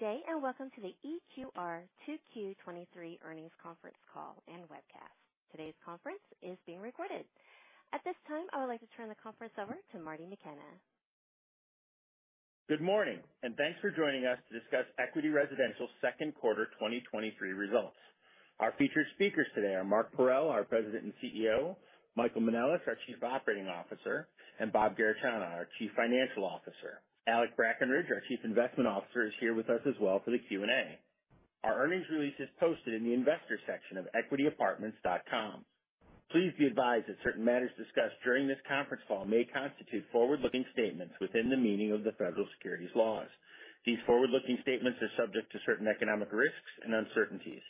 Good day, welcome to the EQR 2Q 2023 earnings conference call and webcast. Today's conference is being recorded. At this time, I would like to turn the conference over to Martin McKenna. Good morning, thanks for joining us to discuss Equity Residential Second Quarter 2023 results. Our featured speakers today are Mark Parrell, our President and CEO; Michael Manelis, our Chief Operating Officer; and Bob Garechana, our Chief Financial Officer. Alexander Brackenridge, our Chief Investment Officer, is here with us as well for the Q&A. Our earnings release is posted in the Investors section of equityapartments.com. Please be advised that certain matters discussed during this conference call may constitute forward-looking statements within the meaning of the federal securities laws. These forward-looking statements are subject to certain economic risks and uncertainties.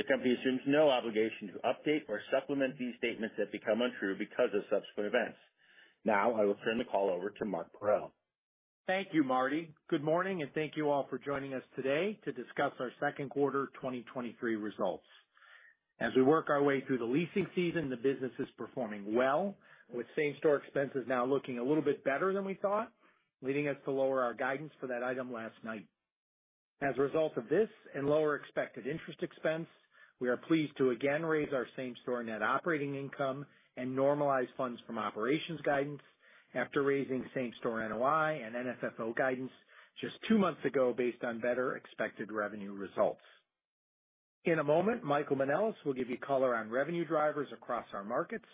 The company assumes no obligation to update or supplement these statements that become untrue because of subsequent events. Now, I will turn the call over to Mark Parrell. Thank you, Marty. Good morning, thank you all for joining us today to discuss our second quarter 2023 results. As we work our way through the leasing season, the business is performing well, with same-store expenses now looking a little bit better than we thought, leading us to lower our guidance for that item last night. As a result of this and lower expected interest expense, we are pleased to again raise our same-store net operating income and normalize funds from operations guidance after raising same-store NOI and FFO guidance just two months ago based on better expected revenue results. In a moment, Michael Manelis will give you color on revenue drivers across our markets.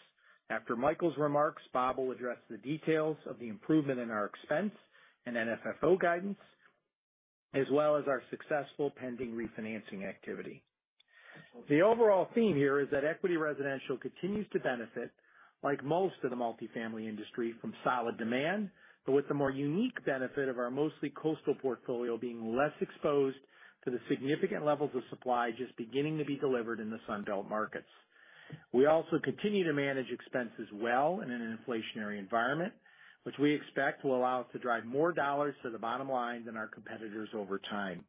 After Michael's remarks, Bob will address the details of the improvement in our expense and FFO guidance, as well as our successful pending refinancing activity. The overall theme here is that Equity Residential continues to benefit, like most of the multifamily industry, from solid demand, with the more unique benefit of our mostly coastal portfolio being less exposed to the significant levels of supply just beginning to be delivered in the Sun Belt markets. We also continue to manage expenses well in an inflationary environment, which we expect will allow us to drive more dollars to the bottom line than our competitors over time.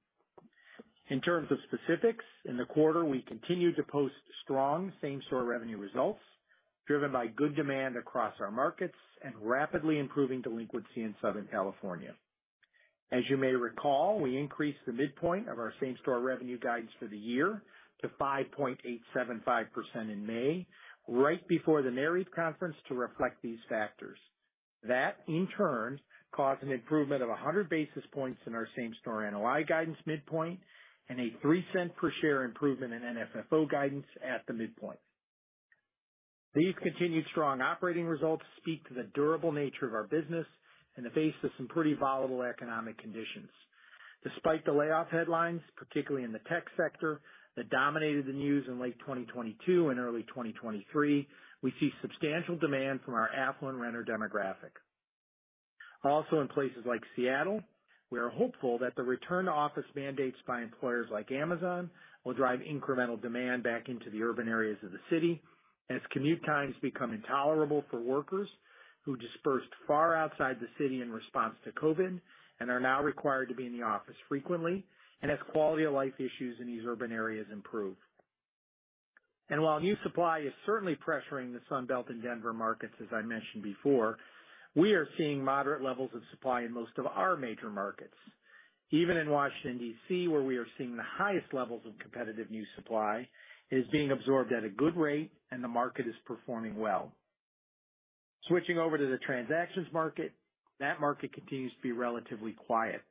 In terms of specifics, in the quarter, we continued to post strong same-store revenue results, driven by good demand across our markets and rapidly improving delinquency in Southern California. As you may recall, we increased the midpoint of our same-store revenue guidance for the year to 5.875% in May, right before the Nareit conference, to reflect these factors. That, in turn, caused an improvement of 100 basis points in our same-store NOI guidance midpoint and a $0.03 per share improvement in FFO guidance at the midpoint. These continued strong operating results speak to the durable nature of our business in the face of some pretty volatile economic conditions. Despite the layoff headlines, particularly in the tech sector, that dominated the news in late 2022 and early 2023, we see substantial demand from our affluent renter demographic. Also, in places like Seattle, we are hopeful that the return-to-office mandates by employers like Amazon will drive incremental demand back into the urban areas of the city as commute times become intolerable for workers who dispersed far outside the city in response to COVID and are now required to be in the office frequently, and as quality of life issues in these urban areas improve. While new supply is certainly pressuring the Sun Belt and Denver markets, as I mentioned before, we are seeing moderate levels of supply in most of our major markets. Even in Washington, D.C., where we are seeing the highest levels of competitive new supply, it is being absorbed at a good rate and the market is performing well. Switching over to the transactions market, that market continues to be relatively quiet.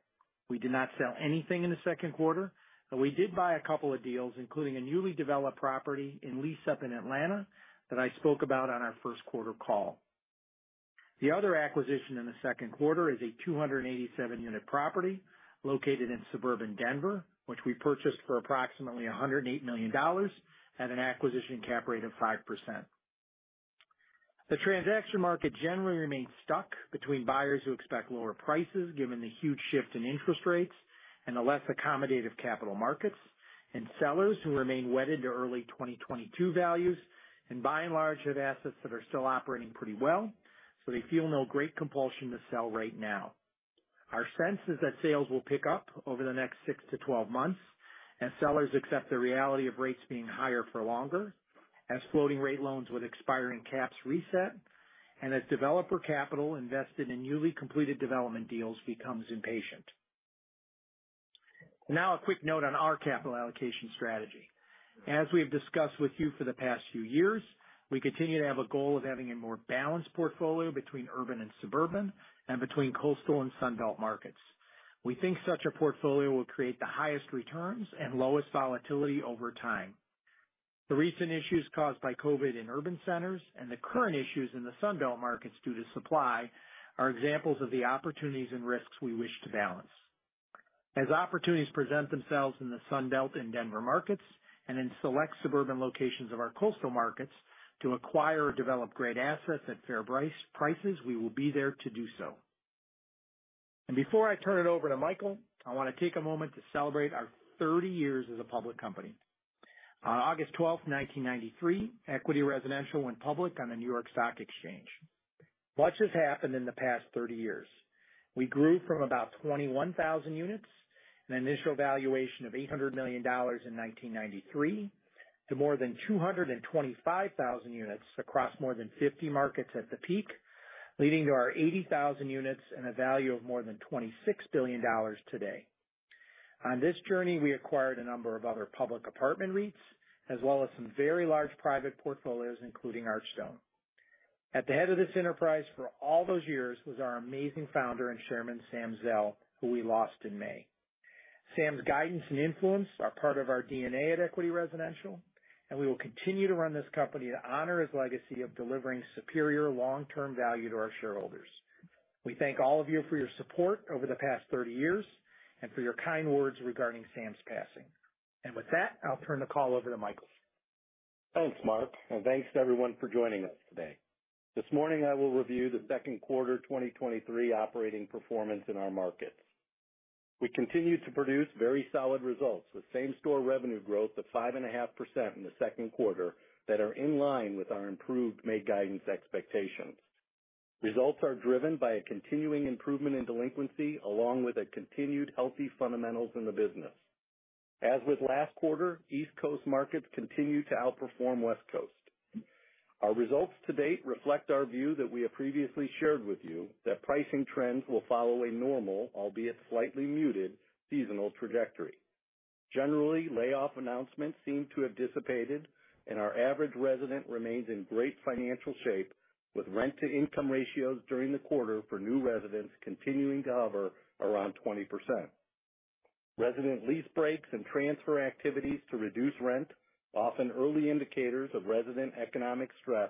We did not sell anything in the second quarter, but we did buy a couple of deals, including a newly developed property in lease up in Atlanta that I spoke about on our first quarter call. The other acquisition in the second quarter is a 287 unit property located in suburban Denver, which we purchased for approximately $108 million at an acquisition cap rate of 5%. The transaction market generally remains stuck between buyers who expect lower prices, given the huge shift in interest rates and the less accommodative capital markets, and sellers who remain wedded to early 2022 values, and by and large, have assets that are still operating pretty well, so they feel no great compulsion to sell right now. Our sense is that sales will pick up over the next six to 12 months as sellers accept the reality of rates being higher for longer, as floating rate loans with expiring caps reset, and as developer capital invested in newly completed development deals becomes impatient. A quick note on our capital allocation strategy. As we've discussed with you for the past few years, we continue to have a goal of having a more balanced portfolio between urban and suburban and between coastal and Sun Belt markets. We think such a portfolio will create the highest returns and lowest volatility over time. The recent issues caused by COVID in urban centers and the current issues in the Sun Belt markets due to supply are examples of the opportunities and risks we wish to balance. As opportunities present themselves in the Sun Belt and Denver markets, and in select suburban locations of our coastal markets to acquire or develop great assets at fair price, we will be there to do so. Before I turn it over to Michael, I want to take a moment to celebrate our 30 years as a public company. On 12 August 1993, Equity Residential went public on the New York Stock Exchange. Much has happened in the past 30 years. We grew from about 21,000 units and an initial valuation of $800 million in 1993,... to more than 225,000 units across more than 50 markets at the peak, leading to our 80,000 units and a value of more than $26 billion today. On this journey, we acquired a number of other public apartment REITs, as well as some very large private portfolios, including Archstone. At the head of this enterprise for all those years was our amazing Founder and Chairman, Sam Zell, who we lost in May. Sam's guidance and influence are part of our DNA at Equity Residential. We will continue to run this company to honor his legacy of delivering superior long-term value to our shareholders. We thank all of you for your support over the past 30 years and for your kind words regarding Sam's passing. With that, I'll turn the call over to Michael. Thanks, Mark, thanks to everyone for joining us today. This morning, I will review the second quarter 2023 operating performance in our markets. We continued to produce very solid results with same-store revenue growth of 5.5% in the second quarter that are in line with our improved May guidance expectations. Results are driven by a continuing improvement in delinquency, along with a continued healthy fundamentals in the business. As with last quarter, East Coast markets continue to outperform West Coast. Our results to date reflect our view that we have previously shared with you, that pricing trends will follow a normal, albeit slightly muted, seasonal trajectory. Generally, layoff announcements seem to have dissipated, and our average resident remains in great financial shape, with rent-to-income ratios during the quarter for new residents continuing to hover around 20%. Resident lease breaks and transfer activities to reduce rent, often early indicators of resident economic stress,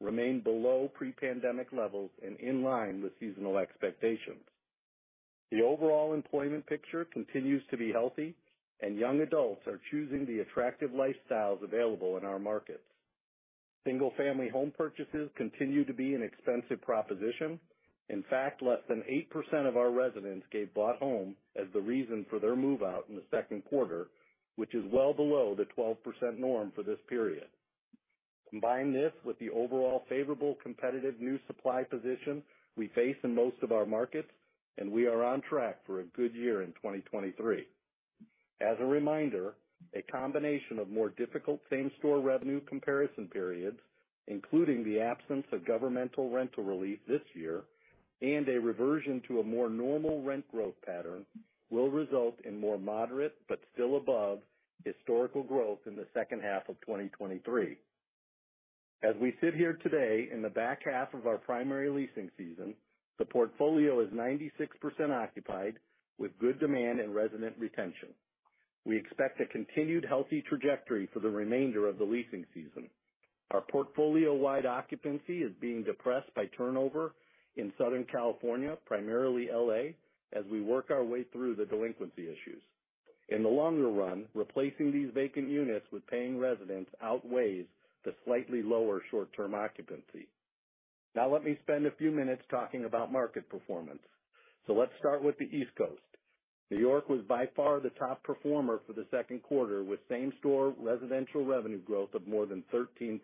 remain below pre-pandemic levels and in line with seasonal expectations. The overall employment picture continues to be healthy, and young adults are choosing the attractive lifestyles available in our markets. Single-family home purchases continue to be an expensive proposition. In fact, less than 8% of our residents gave bought home as the reason for their move-out in the second quarter, which is well below the 12% norm for this period. Combine this with the overall favorable, competitive, new supply position we face in most of our markets, we are on track for a good year in 2023. As a reminder, a combination of more difficult same-store revenue comparison periods, including the absence of governmental rental relief this year, and a reversion to a more normal rent growth pattern, will result in more moderate but still above historical growth in the second half of 2023. As we sit here today in the back half of our primary leasing season, the portfolio is 96% occupied, with good demand and resident retention. We expect a continued healthy trajectory for the remainder of the leasing season. Our portfolio-wide occupancy is being depressed by turnover in Southern California, primarily L.A., as we work our way through the delinquency issues. In the longer run, replacing these vacant units with paying residents outweighs the slightly lower short-term occupancy. Let me spend a few minutes talking about market performance. Let's start with the East Coast. New York was by far the top performer for the second quarter, with same-store residential revenue growth of more than 13%.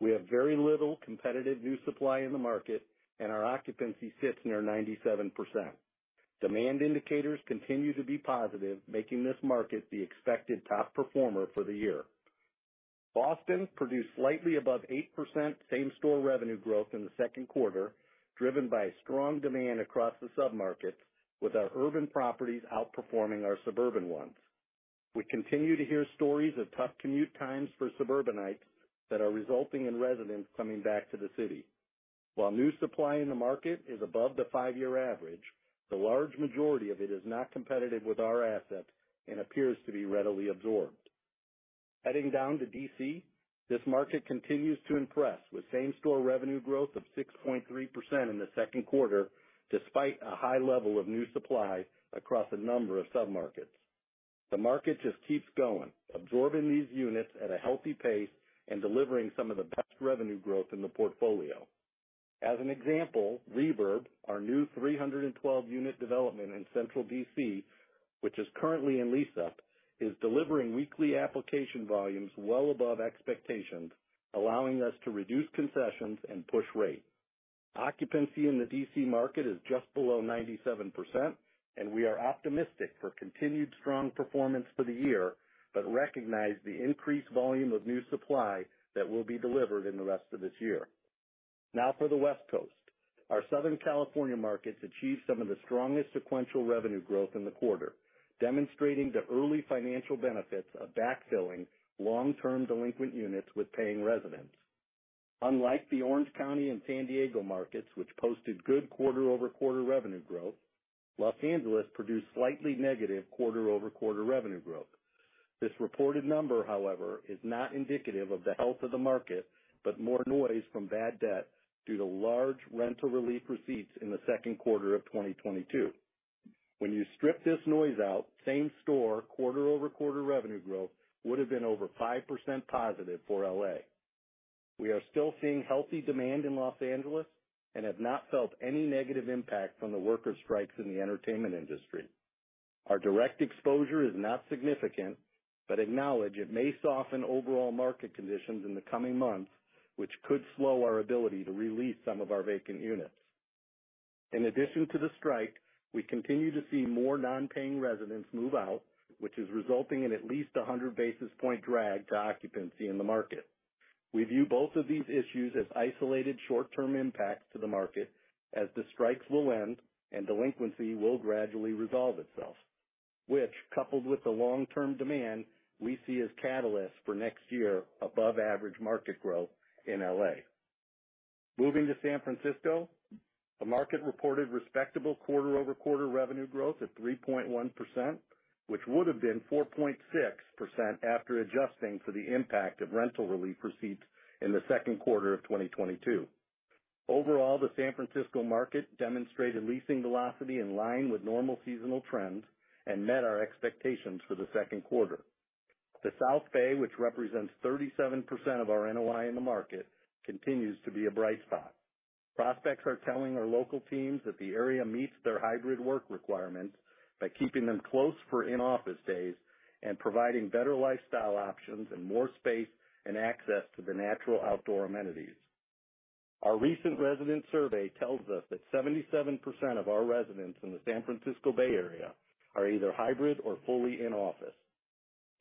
We have very little competitive new supply in the market, and our occupancy sits near 97%. Demand indicators continue to be positive, making this market the expected top performer for the year. Boston produced slightly above 8% same-store revenue growth in the second quarter, driven by strong demand across the submarkets, with our urban properties outperforming our suburban ones. We continue to hear stories of tough commute times for suburbanites that are resulting in residents coming back to the city. While new supply in the market is above the five-year average, the large majority of it is not competitive with our assets and appears to be readily absorbed. Heading down to D.C., this market continues to impress, with same-store revenue growth of 6.3% in the second quarter, despite a high level of new supply across a number of submarkets. The market just keeps going, absorbing these units at a healthy pace and delivering some of the best revenue growth in the portfolio. As an example, Reverb, our new 312 unit development in central D.C., which is currently in lease-up, is delivering weekly application volumes well above expectations, allowing us to reduce concessions and push rate. Occupancy in the D.C. market is just below 97%, and we are optimistic for continued strong performance for the year, but recognize the increased volume of new supply that will be delivered in the rest of this year. Now for the West Coast. Our Southern California markets achieved some of the strongest sequential revenue growth in the quarter, demonstrating the early financial benefits of backfilling long-term delinquent units with paying residents. Unlike the Orange County and San Diego markets, which posted good quarter-over-quarter revenue growth, Los Angeles produced slightly negative quarter-over-quarter revenue growth. This reported number, however, is not indicative of the health of the market, but more noise from bad debt due to large rental relief receipts in the second quarter of 2022. When you strip this noise out, same-store, quarter-over-quarter revenue growth would have been over 5% positive for L.A. We are still seeing healthy demand in Los Angeles and have not felt any negative impact from the worker strikes in the entertainment industry. Our direct exposure is not significant, but acknowledge it may soften overall market conditions in the coming months, which could slow our ability to re-lease some of our vacant units. In addition to the strike, we continue to see more non-paying residents move out, which is resulting in at least a 100 basis point drag to occupancy in the market. We view both of these issues as isolated, short-term impacts to the market, as the strikes will end and delinquency will gradually resolve itself, which, coupled with the long-term demand, we see as catalyst for next year above average market growth in L.A. Moving to San Francisco, the market reported respectable quarter-over-quarter revenue growth of 3.1%, which would have been 4.6% after adjusting for the impact of rental relief received in the second quarter of 2022. Overall, the San Francisco market demonstrated leasing velocity in line with normal seasonal trends and met our expectations for Q2. The South Bay, which represents 37% of our NOI in the market, continues to be a bright spot. Prospects are telling our local teams that the area meets their hybrid work requirements by keeping them close for in-office days and providing better lifestyle options and more space and access to the natural outdoor amenities. Our recent resident survey tells us that 77% of our residents in the San Francisco Bay Area are either hybrid or fully in office.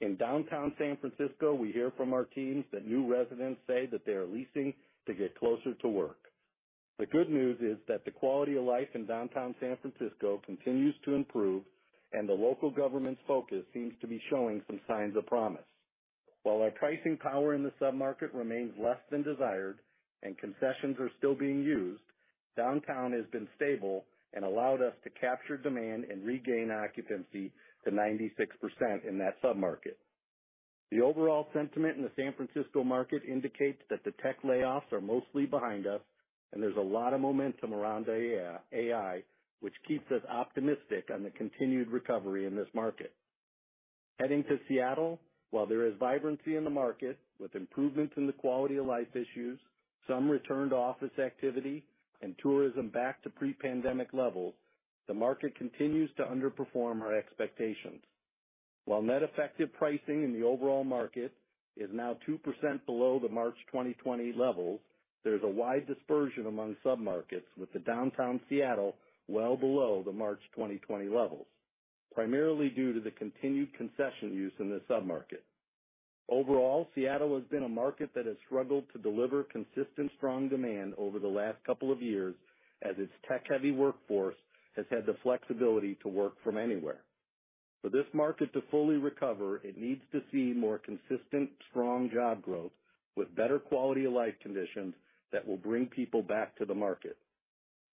In downtown San Francisco, we hear from our teams that new residents say that they are leasing to get closer to work. The good news is that the quality of life in downtown San Francisco continues to improve, and the local government's focus seems to be showing some signs of promise. While our pricing power in the submarket remains less than desired and concessions are still being used, downtown has been stable and allowed us to capture demand and regain occupancy to 96% in that submarket. The overall sentiment in the San Francisco market indicates that the tech layoffs are mostly behind us, and there's a lot of momentum around AI, AI, which keeps us optimistic on the continued recovery in this market. Heading to Seattle, while there is vibrancy in the market with improvements in the quality of life issues, some return to office activity and tourism back to pre-pandemic levels, the market continues to underperform our expectations. While net effective pricing in the overall market is now 2% below the March 2020 levels, there's a wide dispersion among submarkets, with the downtown Seattle well below the March 2020 levels, primarily due to the continued concession use in this submarket. Overall, Seattle has been a market that has struggled to deliver consistent, strong demand over the last couple of years, as its tech-heavy workforce has had the flexibility to work from anywhere. For this market to fully recover, it needs to see more consistent, strong job growth with better quality of life conditions that will bring people back to the market.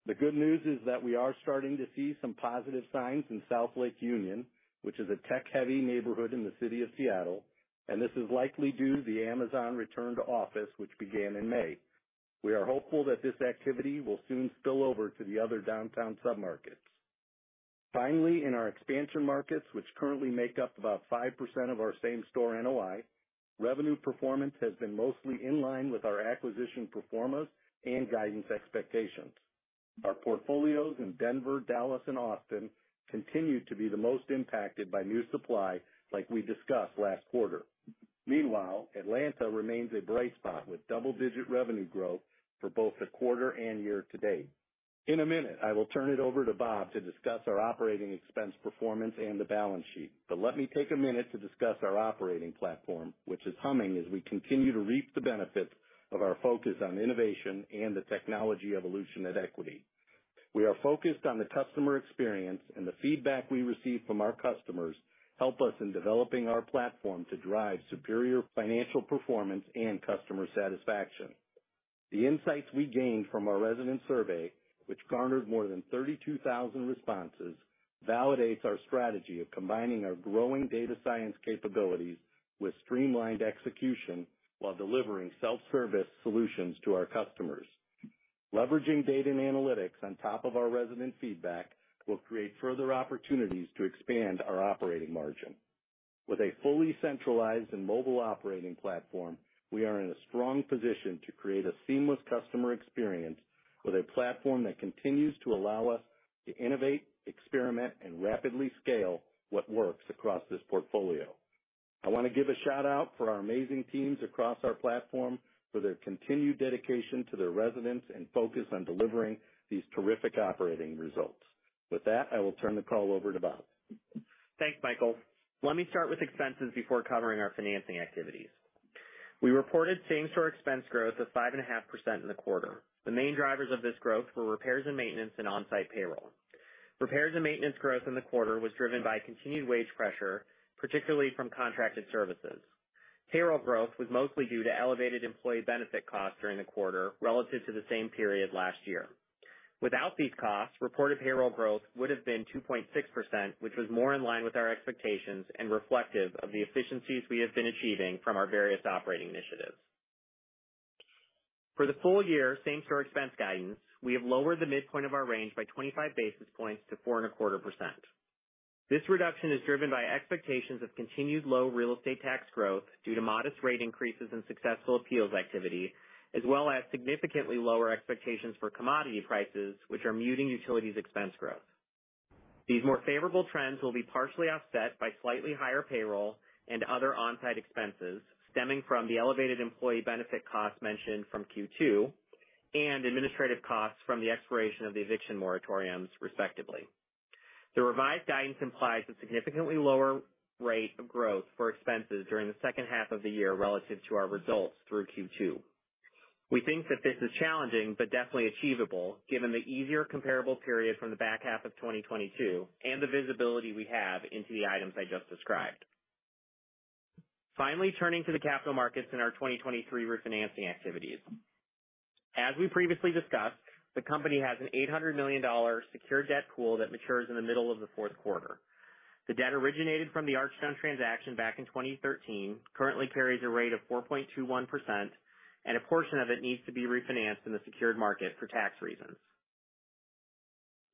The good news is that we are starting to see some positive signs in South Lake Union, which is a tech-heavy neighborhood in the city of Seattle, and this is likely due to the Amazon return to office, which began in May. We are hopeful that this activity will soon spill over to the other downtown submarkets. Finally, in our expansion markets, which currently make up about 5% of our same-store NOI, revenue performance has been mostly in line with our acquisition performers and guidance expectations. Our portfolios in Denver, Dallas, and Austin continue to be the most impacted by new supply, like we discussed last quarter. Meanwhile, Atlanta remains a bright spot, with double-digit revenue growth for both the quarter and year-to-date. In a minute, I will turn it over to Bob to discuss our operating expense performance and the balance sheet. Let me take a minute to discuss our operating platform, which is humming as we continue to reap the benefits of our focus on innovation and the technology evolution at Equity. We are focused on the customer experience, and the feedback we receive from our customers help us in developing our platform to drive superior financial performance and customer satisfaction. The insights we gained from our resident survey, which garnered more than 32,000 responses, validates our strategy of combining our growing data science capabilities with streamlined execution while delivering self-service solutions to our customers. Leveraging data and analytics on top of our resident feedback will create further opportunities to expand our operating margin. With a fully centralized and mobile operating platform, we are in a strong position to create a seamless customer experience with a platform that continues to allow us to innovate, experiment, and rapidly scale what works across this portfolio. I want to give a shout-out for our amazing teams across our platform for their continued dedication to their residents and focus on delivering these terrific operating results. With that, I will turn the call over to Bob. Thanks, Michael. Let me start with expenses before covering our financing activities. We reported same-store expense growth of 5.5% in the quarter. The main drivers of this growth were Repairs and Maintenance and on-site Payroll. Repairs and Maintenance growth in the quarter was driven by continued wage pressure, particularly from contracted services. Payroll growth was mostly due to elevated employee benefit costs during the quarter relative to the same period last year. Without these costs, reported Payroll growth would have been 2.6%, which was more in line with our expectations and reflective of the efficiencies we have been achieving from our various operating initiatives. For the full year same-store expense guidance, we have lowered the midpoint of our range by 25 basis points to 4.25%. This reduction is driven by expectations of continued low real estate tax growth due to modest rate increases in successful appeals activity, as well as significantly lower expectations for commodity prices, which are muting utilities expense growth. These more favorable trends will be partially offset by slightly higher payroll and other on-site expenses stemming from the elevated employee benefit costs mentioned from Q2 and administrative costs from the expiration of the eviction moratoriums, respectively. The revised guidance implies a significantly lower rate of growth for expenses during the second half of the year relative to our results through Q2. We think that this is challenging but definitely achievable, given the easier comparable period from the back half of 2022 and the visibility we have into the items I just described. Finally, turning to the capital markets and our 2023 refinancing activities. As we previously discussed, the company has an $800 million secured debt pool that matures in the middle of the fourth quarter. The debt originated from the Archstone transaction back in 2013, currently carries a rate of 4.21%. A portion of it needs to be refinanced in the secured market for tax reasons.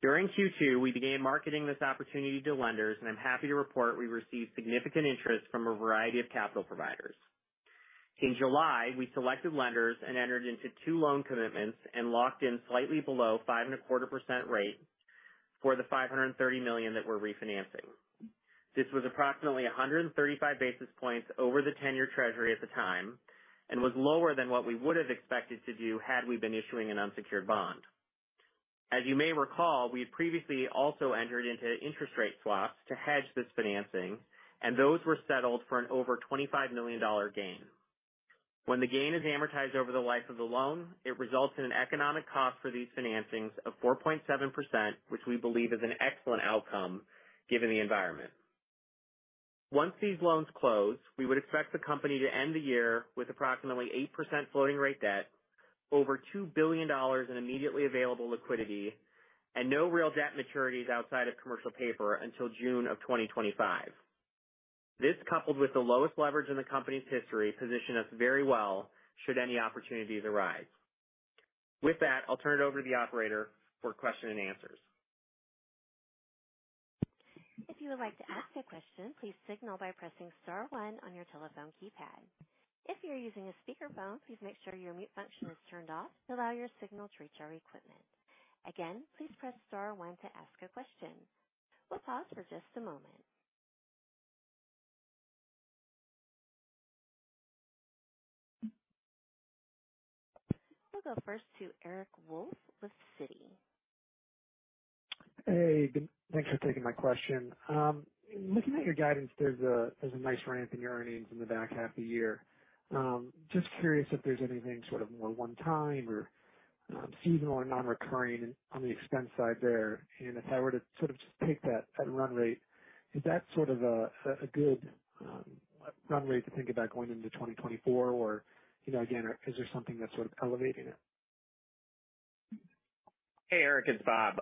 During Q2, we began marketing this opportunity to lenders. I'm happy to report we received significant interest from a variety of capital providers. In July, we selected lenders and entered into two loan commitments and locked in slightly below 5.25% rate for the $530 million that we're refinancing. This was approximately 135 basis points over the 10-year Treasury at the time and was lower than what we would have expected to do had we been issuing an unsecured bond. As you may recall, we previously also entered into interest rate swaps to hedge this financing, those were settled for an over $25 million gain. When the gain is amortized over the life of the loan, it results in an economic cost for these financings of 4.7%, which we believe is an excellent outcome given the environment. Once these loans close, we would expect the company to end the year with approximately 8% floating rate debt, over $2 billion in immediately available liquidity, and no real debt maturities outside of commercial paper until June of 2025. This, coupled with the lowest leverage in the company's history, position us very well should any opportunities arise. With that, I'll turn it over to the operator for question and answers. If you would like to ask a question, please signal by pressing star one on your telephone keypad. If you're using a speakerphone, please make sure your mute function is turned off to allow your signal to reach our equipment. Again, please press star one to ask a question. We'll pause for just a moment. We'll go first to Eric Wolfe with Citi. Hey, thanks for taking my question. Looking at your guidance, there's a nice ramp in your earnings in the back half of the year. Just curious if there's anything sort of more one time or seasonal or non-recurring on the expense side there. If I were to sort of just take that at run rate, is that sort of a good run rate to think about going into 2024? Or, you know, again, is there something that's sort of elevating it? Hey, Eric, it's Bob.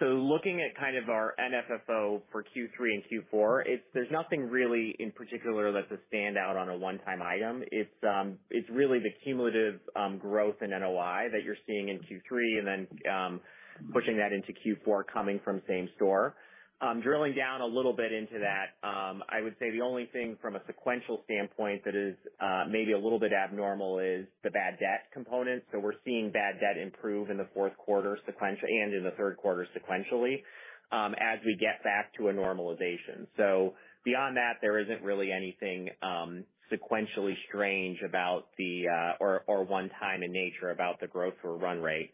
Looking at kind of our NFFO for Q3 and Q4, there's nothing really in particular that's a standout on a one-time item. It's really the cumulative growth in NOI that you're seeing in Q3 and then pushing that into Q4, coming from same store. Drilling down a little bit into that, I would say the only thing from a sequential standpoint that is maybe a little bit abnormal is the bad debt component. We're seeing bad debt improve in the fourth quarter sequentially and in the third quarter sequentially, as we get back to a normalization. Beyond that, there isn't really anything sequentially strange about the or one time in nature about the growth or run rate.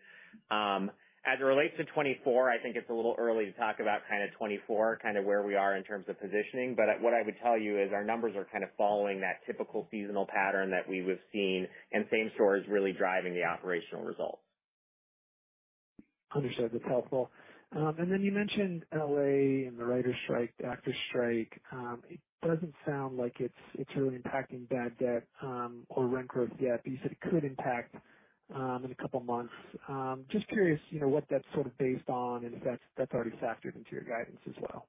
As it relates to 2024, I think it's a little early to talk about kind of 2024, kind of where we are in terms of positioning, but what I would tell you is our numbers are kind of following that typical seasonal pattern that we have seen, and same store is really driving the operational results. Understood, that's helpful. You mentioned L.A. and the writers strike, actors strike. It doesn't sound like it's, it's really impacting bad debt or rent growth yet, but you said it could impact in a couple of months. Just curious, you know, what that's sort of based on and if that's, that's already factored into your guidance as well?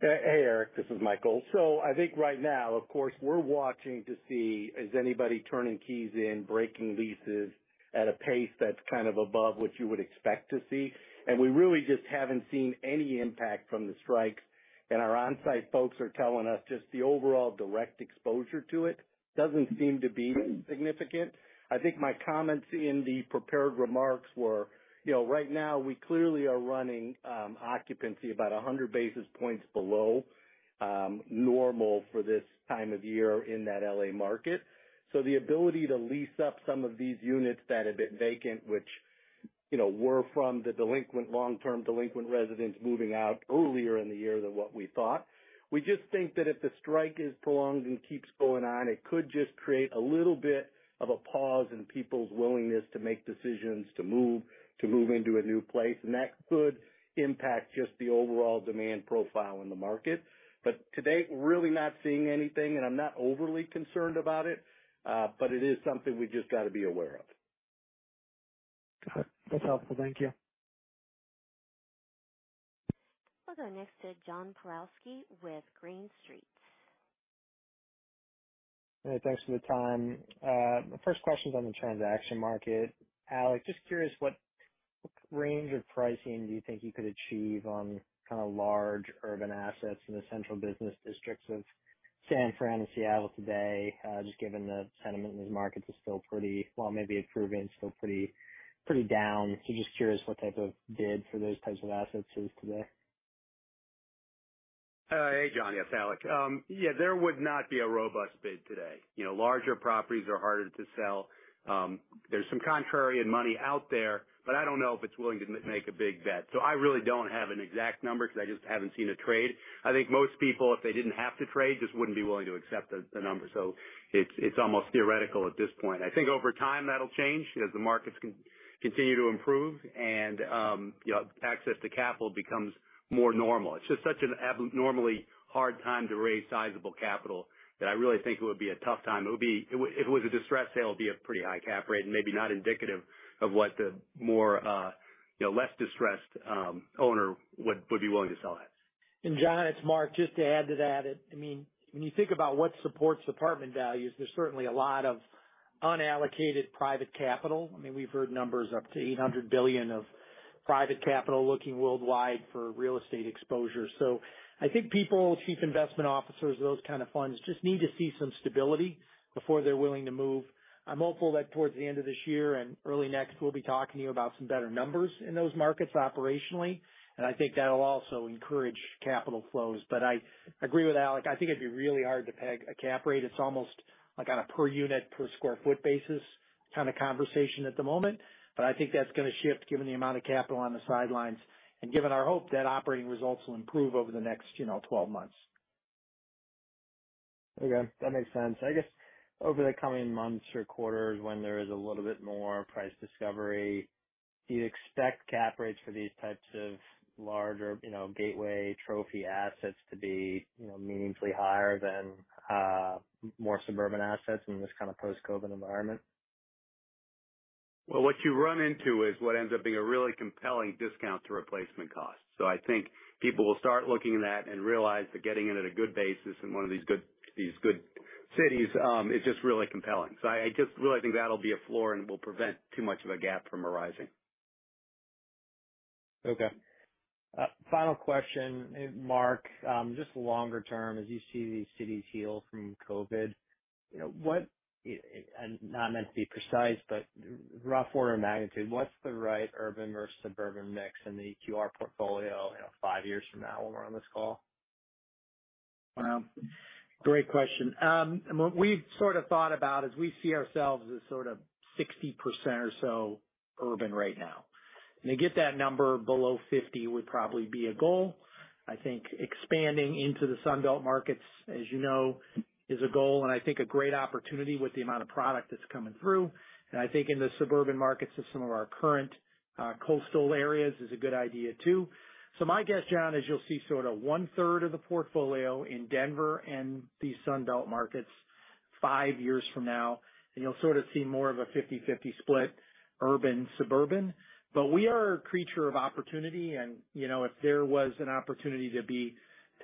Hey, Eric, this is Michael. I think right now, of course, we're watching to see is anybody turning keys in, breaking leases at a pace that's kind of above what you would expect to see. We really just haven't seen any impact from the strikes. Our on-site folks are telling us just the overall direct exposure to it doesn't seem to be significant. I think my comments in the prepared remarks were, you know, right now, we clearly are running occupancy about 100 basis points below normal for this time of year in that L.A. market. The ability to lease up some of these units that have been vacant, which, you know, were from the delinquent, long-term delinquent residents moving out earlier in the year than what we thought. We just think that if the strike is prolonged and keeps going on, it could just create a little bit of a pause in people's willingness to make decisions, to move, to move into a new place, and that could impact just the overall demand profile in the market. To date, we're really not seeing anything, and I'm not overly concerned about it, but it is something we just got to be aware of. Got it. That's helpful. Thank you. We'll go next to John Pawlowski with Green Street. Hey, thanks for the time. First question is on the transaction market. Alex, just curious, what range of pricing do you think you could achieve on kind of large urban assets in the central business districts of San Fran and Seattle today, just given the sentiment in those markets is still pretty, while maybe improving, still pretty, pretty down. Just curious what type of bid for those types of assets is today? Hey, John, yes, Alex. Yeah, there would not be a robust bid today. You know, larger properties are harder to sell. There's some contrarian money out there, but I don't know if it's willing to make a big bet. I really don't have an exact number because I just haven't seen a trade. I think most people, if they didn't have to trade, just wouldn't be willing to accept the, the number. It's, it's almost theoretical at this point. I think over time, that'll change as the markets continue to improve and, you know, access to capital becomes more normal. It's just such a normally hard time to raise sizable capital, that I really think it would be a tough time. It would be... If it was a distressed sale, it would be a pretty high cap rate and maybe not indicative of what the more, you know, less distressed, owner would, would be willing to sell at. John, it's Mark Parrell. Just to add to that, I mean, when you think about what supports apartment values, there's certainly a lot of unallocated private capital. I mean, we've heard numbers up to $800 billion of private capital looking worldwide for real estate exposure. I think people, Chief Investment Officers of those kind of funds, just need to see some stability before they're willing to move. I'm hopeful that towards the end of this year and early next, we'll be talking to you about some better numbers in those markets operationally, and I think that'll also encourage capital flows. I agree with Alex. I think it'd be really hard to peg a cap rate. It's almost like on a per unit, per square foot basis, kind of conversation at the moment. I think that's going to shift given the amount of capital on the sidelines and given our hope that operating results will improve over the next, you know, 12 months. Okay, that makes sense. I guess over the coming months or quarters, when there is a little bit more price discovery, do you expect cap rates for these types of larger, you know, gateway trophy assets to be, you know, meaningfully higher than more suburban assets in this kind of post-COVID environment? Well, what you run into is what ends up being a really compelling discount to replacement cost. I think people will start looking at that and realize that getting it at a good basis in one of these good, these good cities, is just really compelling. I, I just really think that'll be a floor and will prevent too much of a gap from arising. Final question. Mark, just longer term, as you see these cities heal from COVID, you know, what, and not meant to be precise, but rough order of magnitude, what's the right urban versus suburban mix in the EQR portfolio, you know, five years from now when we're on this call? Well, great question. What we've sort of thought about is we see ourselves as sort of 60% or so urban right now. To get that number below 50 would probably be a goal. I think expanding into the Sun Belt markets, as you know, is a goal, and I think a great opportunity with the amount of product that's coming through. I think in the suburban markets to some of our current coastal areas is a good idea, too. My guess, John, is you'll see sort of 1/3 of the portfolio in Denver and these Sun Belt markets five years from now, and you'll sort of see more of a 50/50 split, urban, suburban. We are a creature of opportunity, and, you know, if there was an opportunity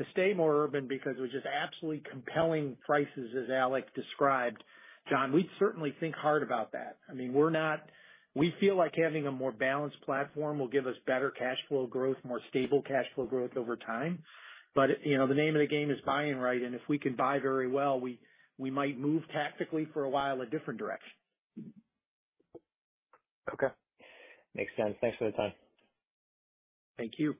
to stay more urban because it was just absolutely compelling prices, as Alex described, John, we'd certainly think hard about that. I mean, we feel like having a more balanced platform will give us better cash flow growth, more stable cash flow growth over time. You know, the name of the game is buying right, and if we can buy very well, we might move tactically for a while in a different direction. Okay. Makes sense. Thanks for the time. Thank you.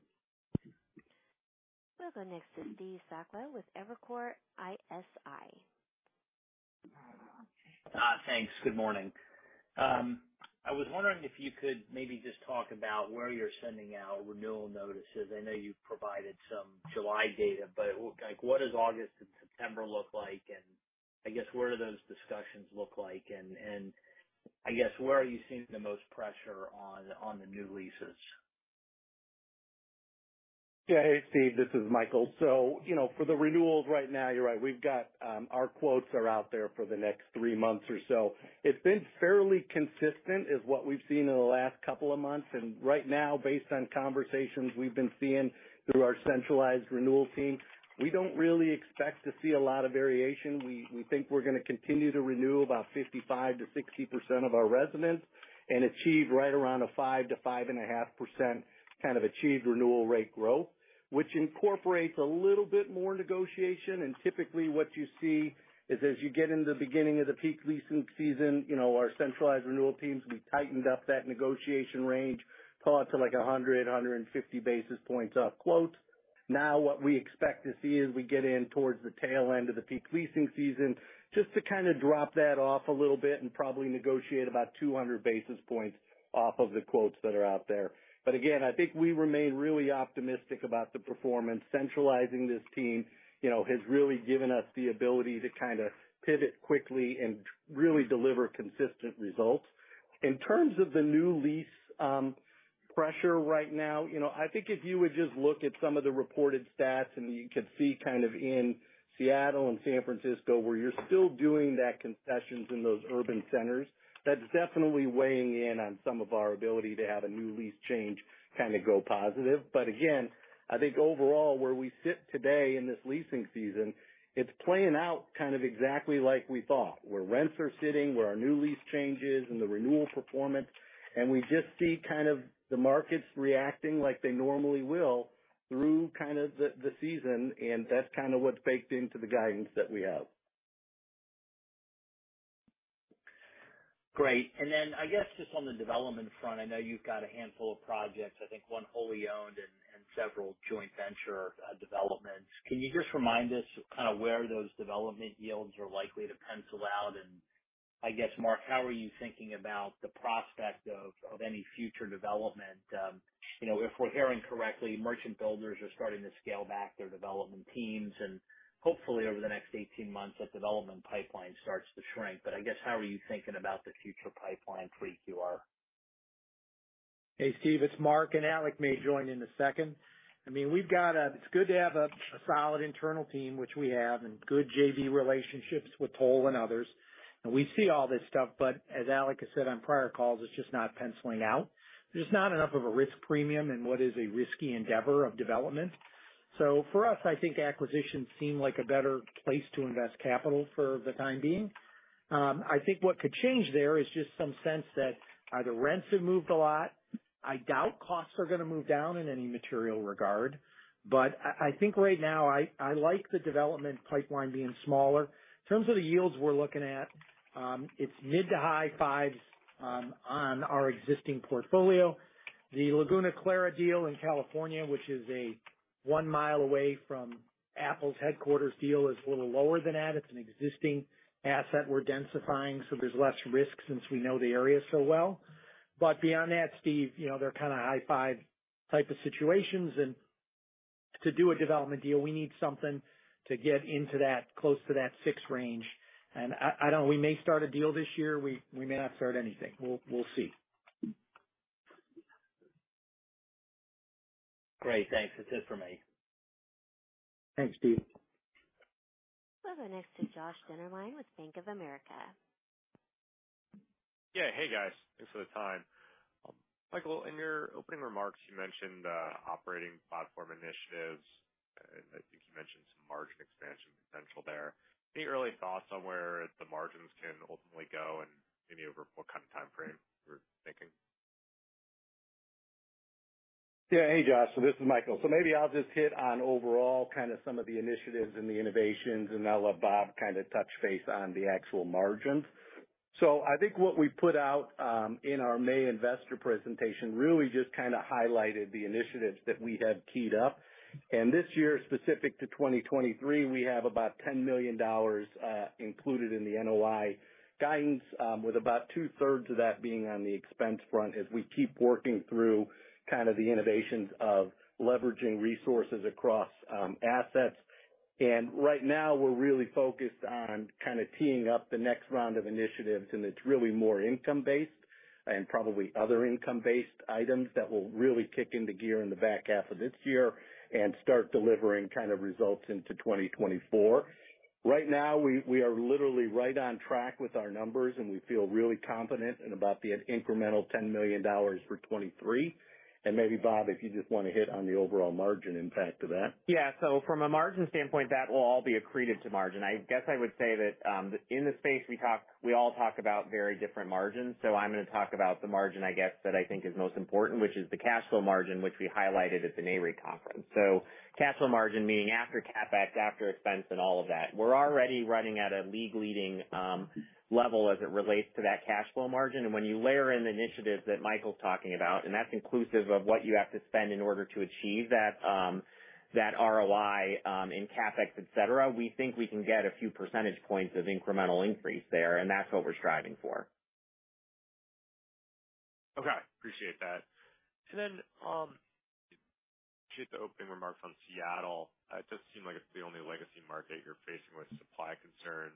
We'll go next to Steve Sakwa with Evercore ISI. Thanks. Good morning. I was wondering if you could maybe just talk about where you're sending out renewal notices. I know you've provided some July data, but, like, what does August and September look like? I guess, where do those discussions look like? I guess, where are you seeing the most pressure on, on the new leases? Yeah, hey, Steve, this is Michael. You know, for the renewals right now, you're right. We've got our quotes are out there for the next three months or so. It's been fairly consistent as what we've seen in the last two months. Right now, based on conversations we've been seeing through our centralized renewal team, we don't really expect to see a lot of variation. We, we think we're going to continue to renew about 55%-60% of our residents and achieve right around a 5%-5.5% kind of achieved renewal rate growth, which incorporates a little bit more negotiation. Typically, what you see is as you get into the beginning of the peak leasing season, you know, our centralized renewal teams, we tightened up that negotiation range, thought to like 100-150 basis points off quotes. What we expect to see as we get in towards the tail end of the peak leasing season, just to kind of drop that off a little bit and probably negotiate about 200 basis points off of the quotes that are out there. Again, I think we remain really optimistic about the performance. Centralizing this team, you know, has really given us the ability to kind of pivot quickly and really deliver consistent results. In terms of the new lease, pressure right now, you know, I think if you would just look at some of the reported stats, you could see kind of in Seattle and San Francisco, where you're still doing that concessions in those urban centers, that's definitely weighing in on some of our ability to have a new lease change, kind of go positive. Again, I think overall, where we sit today in this leasing season, it's playing out kind of exactly like we thought, where rents are sitting, where our new lease changes and the renewal performance, we just see kind of the markets reacting like they normally will through kind of the, the season, and that's kind of what's baked into the guidance that we have. Great. Then I guess just on the development front, I know you've got a handful of projects, I think 1 wholly owned and several joint venture developments. Can you just remind us kind of where those development yields are likely to pencil out? I guess, Mark, how are you thinking about the prospect of any future development? You know, if we're hearing correctly, merchant builders are starting to scale back their development teams, and hopefully over the next 18 months, that development pipeline starts to shrink. I guess, how are you thinking about the future pipeline for EQR? Hey, Steve, it's Mark, and Alex may join in a second. I mean, we've got it's good to have a solid internal team, which we have, and good JV relationships with Toll and others. We see all this stuff, but as Alex has said on prior calls, it's just not penciling out. There's not enough of a risk premium in what is a risky endeavor of development. For us, I think acquisitions seem like a better place to invest capital for the time being. I think what could change there is just some sense that either rents have moved a lot. I doubt costs are going to move down in any material regard, but I, I think right now, I, I like the development pipeline being smaller. In terms of the yields we're looking at, it's mid to high 5% on our existing portfolio. The Laguna Clara deal in California, which is a 1 mile away from Apple's headquarters deal, is a little lower than that. It's an existing asset we're densifying, so there's less risk since we know the area so well. Beyond that, Steve, you know, they're kind of high 5% type of situations, and to do a development deal, we need something to get into that, close to that 6% range. I, I don't, we may start a deal this year. We, we may not start anything. We'll, we'll see. Great, thanks. That's it for me. Thanks, Steve. We'll go next to Josh Dennerlein with Bank of America. Yeah. Hey, guys, thanks for the time. Michael, in your opening remarks, you mentioned operating platform initiatives, and I think you mentioned some margin expansion potential there. Any early thoughts on where the margins can ultimately go and maybe over what kind of time frame you're thinking? Yeah. Hey, Josh, this is Michael. Maybe I'll just hit on overall kind of some of the initiatives and the innovations, and I'll let Bob kind of touch base on the actual margins. I think what we put out in our May investor presentation really just kind of highlighted the initiatives that we have keyed up. This year, specific to 2023, we have about $10 million included in the NOI guidance, with about two-thirds of that being on the expense front as we keep working through kind of the innovations of leveraging resources across assets. Right now, we're really focused on kind of teeing up the next round of initiatives, and it's really more income based and probably other income-based items that will really kick into gear in the back half of this year and start delivering kind of results into 2024. Right now, we are literally right on track with our numbers, and we feel really confident in about the incremental $10 million for 2023. Maybe, Bob, if you just want to hit on the overall margin impact of that. Yeah. From a margin standpoint, that will all be accreted to margin. I guess I would say that, in the space, we talk... we all talk about very different margins. I'm going to talk about the margin, I guess, that I think is most important, which is the cash flow margin, which we highlighted at the Nareit conference. Cash flow margin, meaning after CapEx, after expense and all of that, we're already running at a league-leading level as it relates to that cash flow margin. And when you layer in the initiatives that Michael's talking about, and that's inclusive of what you have to spend in order to achieve that, that ROI, in CapEx, et cetera, we think we can get a few percentage points of incremental increase there, and that's what we're striving for. Okay, appreciate that. Then, to the opening remarks on Seattle, it does seem like it's the only legacy market you're facing with supply concerns.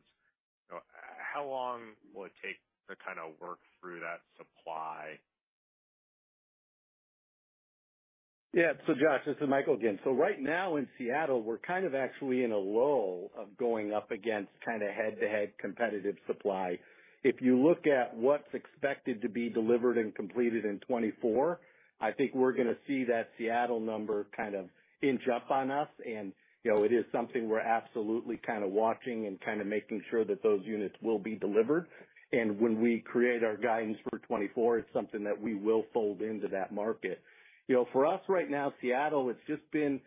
How long will it take to kind of work through that supply? Yeah. Josh, this is Michael again. Right now in Seattle, we're kind of actually in a lull of going up against kind of head-to-head competitive supply. If you look at what's expected to be delivered and completed in 2024, I think we're gonna see that Seattle number kind of inch up on us, you know, it is something we're absolutely kind of watching and kind of making sure that those units will be delivered. When we create our guidance for 2024, it's something that we will fold into that market. You know, for us right now, Seattle, it's just been.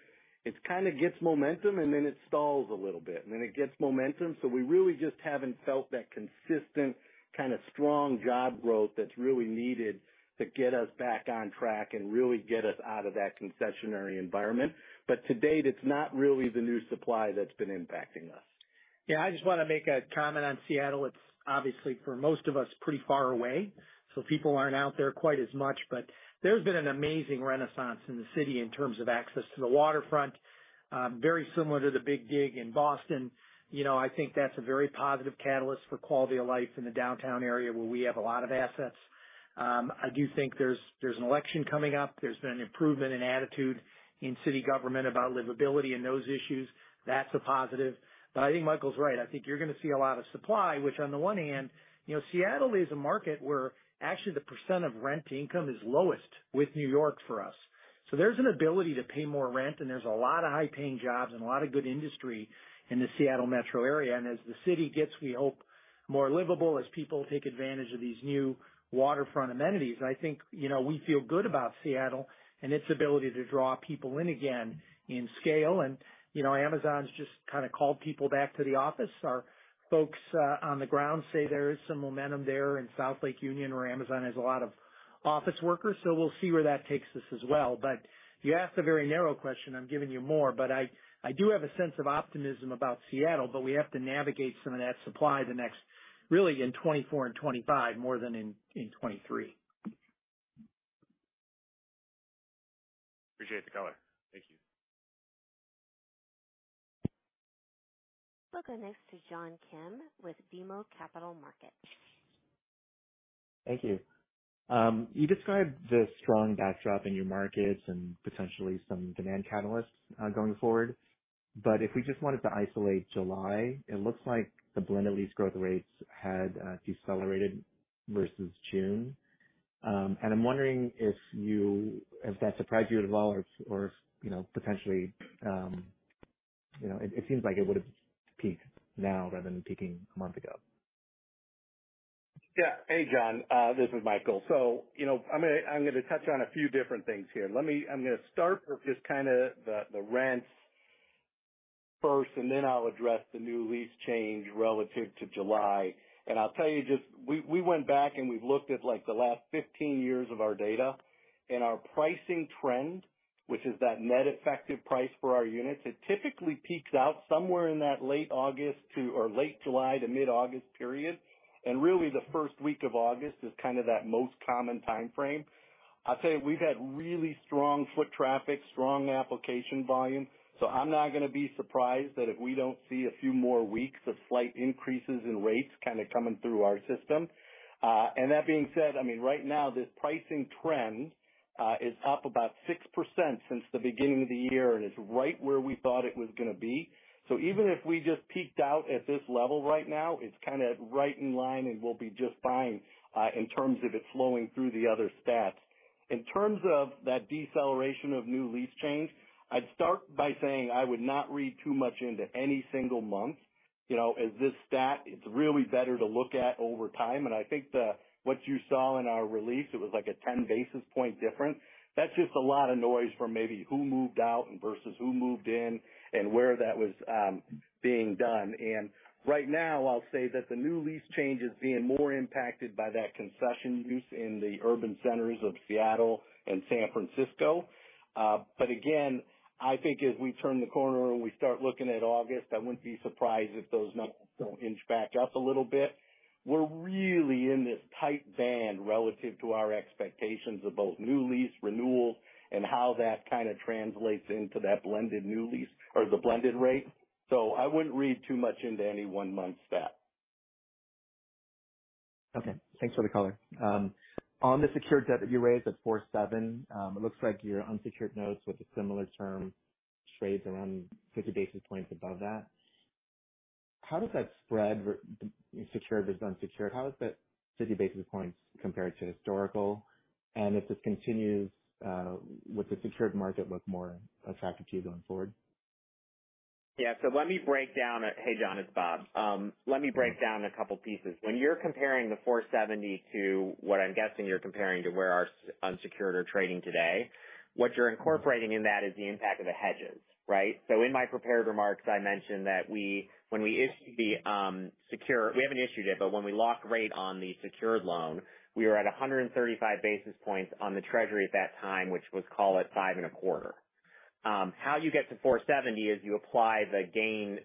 It's kind of gets momentum, and then it stalls a little bit, and then it gets momentum. We really just haven't felt that consistent, kind of strong job growth that's really needed to get us back on track and really get us out of that concessionary environment. To date, it's not really the new supply that's been impacting us. Yeah, I just want to make a comment on Seattle. It's obviously, for most of us, pretty far away, so people aren't out there quite as much. There's been an amazing renaissance in the city in terms of access to the waterfront, very similar to the Big Dig in Boston. You know, I think that's a very positive catalyst for quality of life in the downtown area, where we have a lot of assets. I do think there's, there's an election coming up. There's been an improvement in attitude in city government about livability and those issues. That's a positive. I think Michael's right. I think you're going to see a lot of supply, which on the one hand, you know, Seattle is a market where actually the percent of rent income is lowest with New York for us. There's an ability to pay more rent, and there's a lot of high-paying jobs and a lot of good industry in the Seattle metro area. As the city gets, we hope more livable as people take advantage of these new waterfront amenities. I think, you know, we feel good about Seattle and its ability to draw people in again in scale. You know, Amazon's just kind of called people back to the office. Our folks on the ground say there is some momentum there in South Lake Union, where Amazon has a lot of office workers, so we'll see where that takes us as well. You asked a very narrow question. I'm giving you more, but I, I do have a sense of optimism about Seattle, but we have to navigate some of that supply the next, really in 2024 and 2025, more than in, in 2023. Appreciate the color. Thank you. Welcome next to John Kim with BMO Capital Markets. Thank you. You described the strong backdrop in your markets and potentially some demand catalysts going forward. If we just wanted to isolate July, it looks like the blended lease growth rates had decelerated versus June. I'm wondering if that surprised you at all or if, or if, you know, potentially, you know, it, it seems like it would've peaked now rather than peaking a month ago. Yeah. Hey, John, this is Michael. You know, I'm gonna, I'm gonna touch on a few different things here. Let me... I'm gonna start with just kind of the, the rents first. Then I'll address the new lease change relative to July. I'll tell you just... We, we went back and we've looked at, like, the last 15 years of our data and our pricing trend, which is that net effective price for our units. It typically peaks out somewhere in that late August or late July to mid-August period. Really, the first week of August is kind of that most common timeframe. I'll tell you, we've had really strong foot traffic, strong application volume. I'm not gonna be surprised that if we don't see a few more weeks of slight increases in rates kind of coming through our system. That being said, I mean, right now this pricing trend is up about 6% since the beginning of the year and is right where we thought it was gonna be. Even if we just peaked out at this level right now, it's kind of right in line, and we'll be just fine in terms of it flowing through the other stats. In terms of that deceleration of new lease change, I'd start by saying I would not read too much into any single month. You know, as this stat, it's really better to look at over time. I think the, what you saw in our release, it was like a 10 basis point difference. That's just a lot of noise from maybe who moved out and versus who moved in and where that was being done. Right now, I'll say that the new lease change is being more impacted by that concession use in the urban centers of Seattle and San Francisco. Again, I think as we turn the corner and we start looking at August, I wouldn't be surprised if those numbers don't inch back up a little bit. We're really in this tight band relative to our expectations of both new lease renewals and how that kind of translates into that blended new lease or the blended rate. I wouldn't read too much into any one-month stat. Okay. Thanks for the color. On the secured debt that you raised at 4.7, it looks like your unsecured notes with a similar term trades around 50 basis points above that. How does that spread secured versus unsecured? How does that 50 basis points compare to historical? If this continues, would the secured market look more attractive to you going forward? Yeah. Hey, John, it's Bob. Let me break down a couple pieces. When you're comparing the 4.70% to what I'm guessing you're comparing to where our unsecured are trading today, what you're incorporating in that is the impact of the hedges, right? In my prepared remarks, I mentioned that when we issue the secure, we haven't issued it, but when we lock rate on the secured loan, we are at 135 basis points on the treasury at that time, which was, call it, 5.25%. How you get to 4.70% is you apply the gain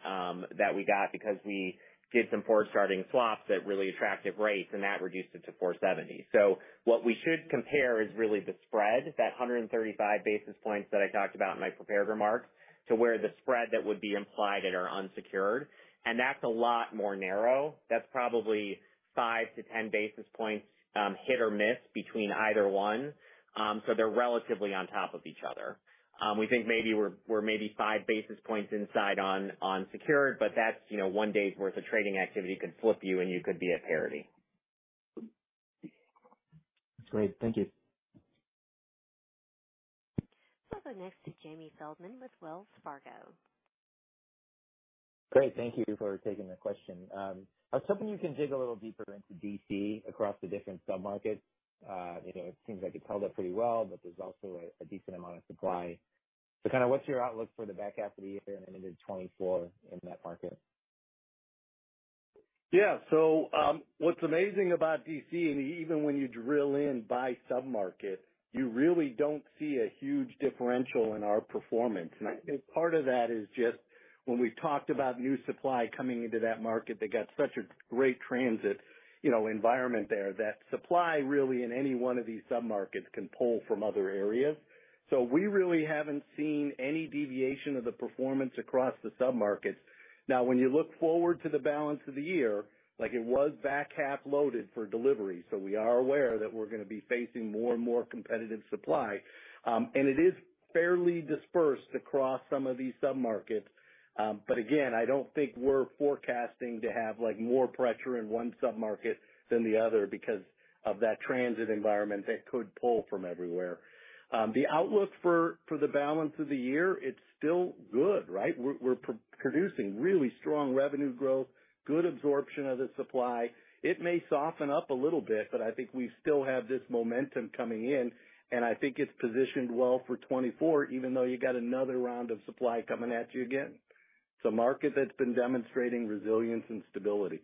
that we got because we did some forward-starting swaps at really attractive rates, and that reduced it to 4.70%. What we should compare is really the spread, that 135 basis points that I talked about in my prepared remarks, to where the spread that would be implied at are unsecured. That's a lot more narrow. That's probably 5 to 10 basis points, hit or miss between either one. They're relatively on top of each other. We think maybe we're, we're maybe 5 basis points inside on, on secured, but that's, you know, one-day's worth of trading activity could flip you. You could be at parity. That's great. Thank you. We'll go next to Jamie Feldman with Wells Fargo. Great. Thank you for taking the question. I was hoping you can dig a little deeper into D.C. across the different submarkets. you know, it seems like it held up pretty well, but there's also a decent amount of supply. Kind of what's your outlook for the back half of the year and into 2024 in that market? Yeah. What's amazing about D.C., and even when you drill in by submarket, you really don't see a huge differential in our performance. I think part of that is just when we've talked about new supply coming into that market, they got such a great transit, you know, environment there, that supply really in any one of these submarkets can pull from other areas. We really haven't seen any deviation of the performance across the submarkets. Now, when you look forward to the balance of the year, like it was back half loaded for delivery. We are aware that we're gonna be facing more and more competitive supply, and it is fairly dispersed across some of these submarkets. But again, I don't think we're forecasting to have, like, more pressure in one submarket than the other because of that transit environment that could pull from everywhere. The outlook for, for the balance of the year, it's still good, right? We're, we're producing really strong revenue growth, good absorption of the supply. It may soften up a little bit, but I think we still have this momentum coming in, and I think it's positioned well for 2024, even though you got another round of supply coming at you again. It's a market that's been demonstrating resilience and stability.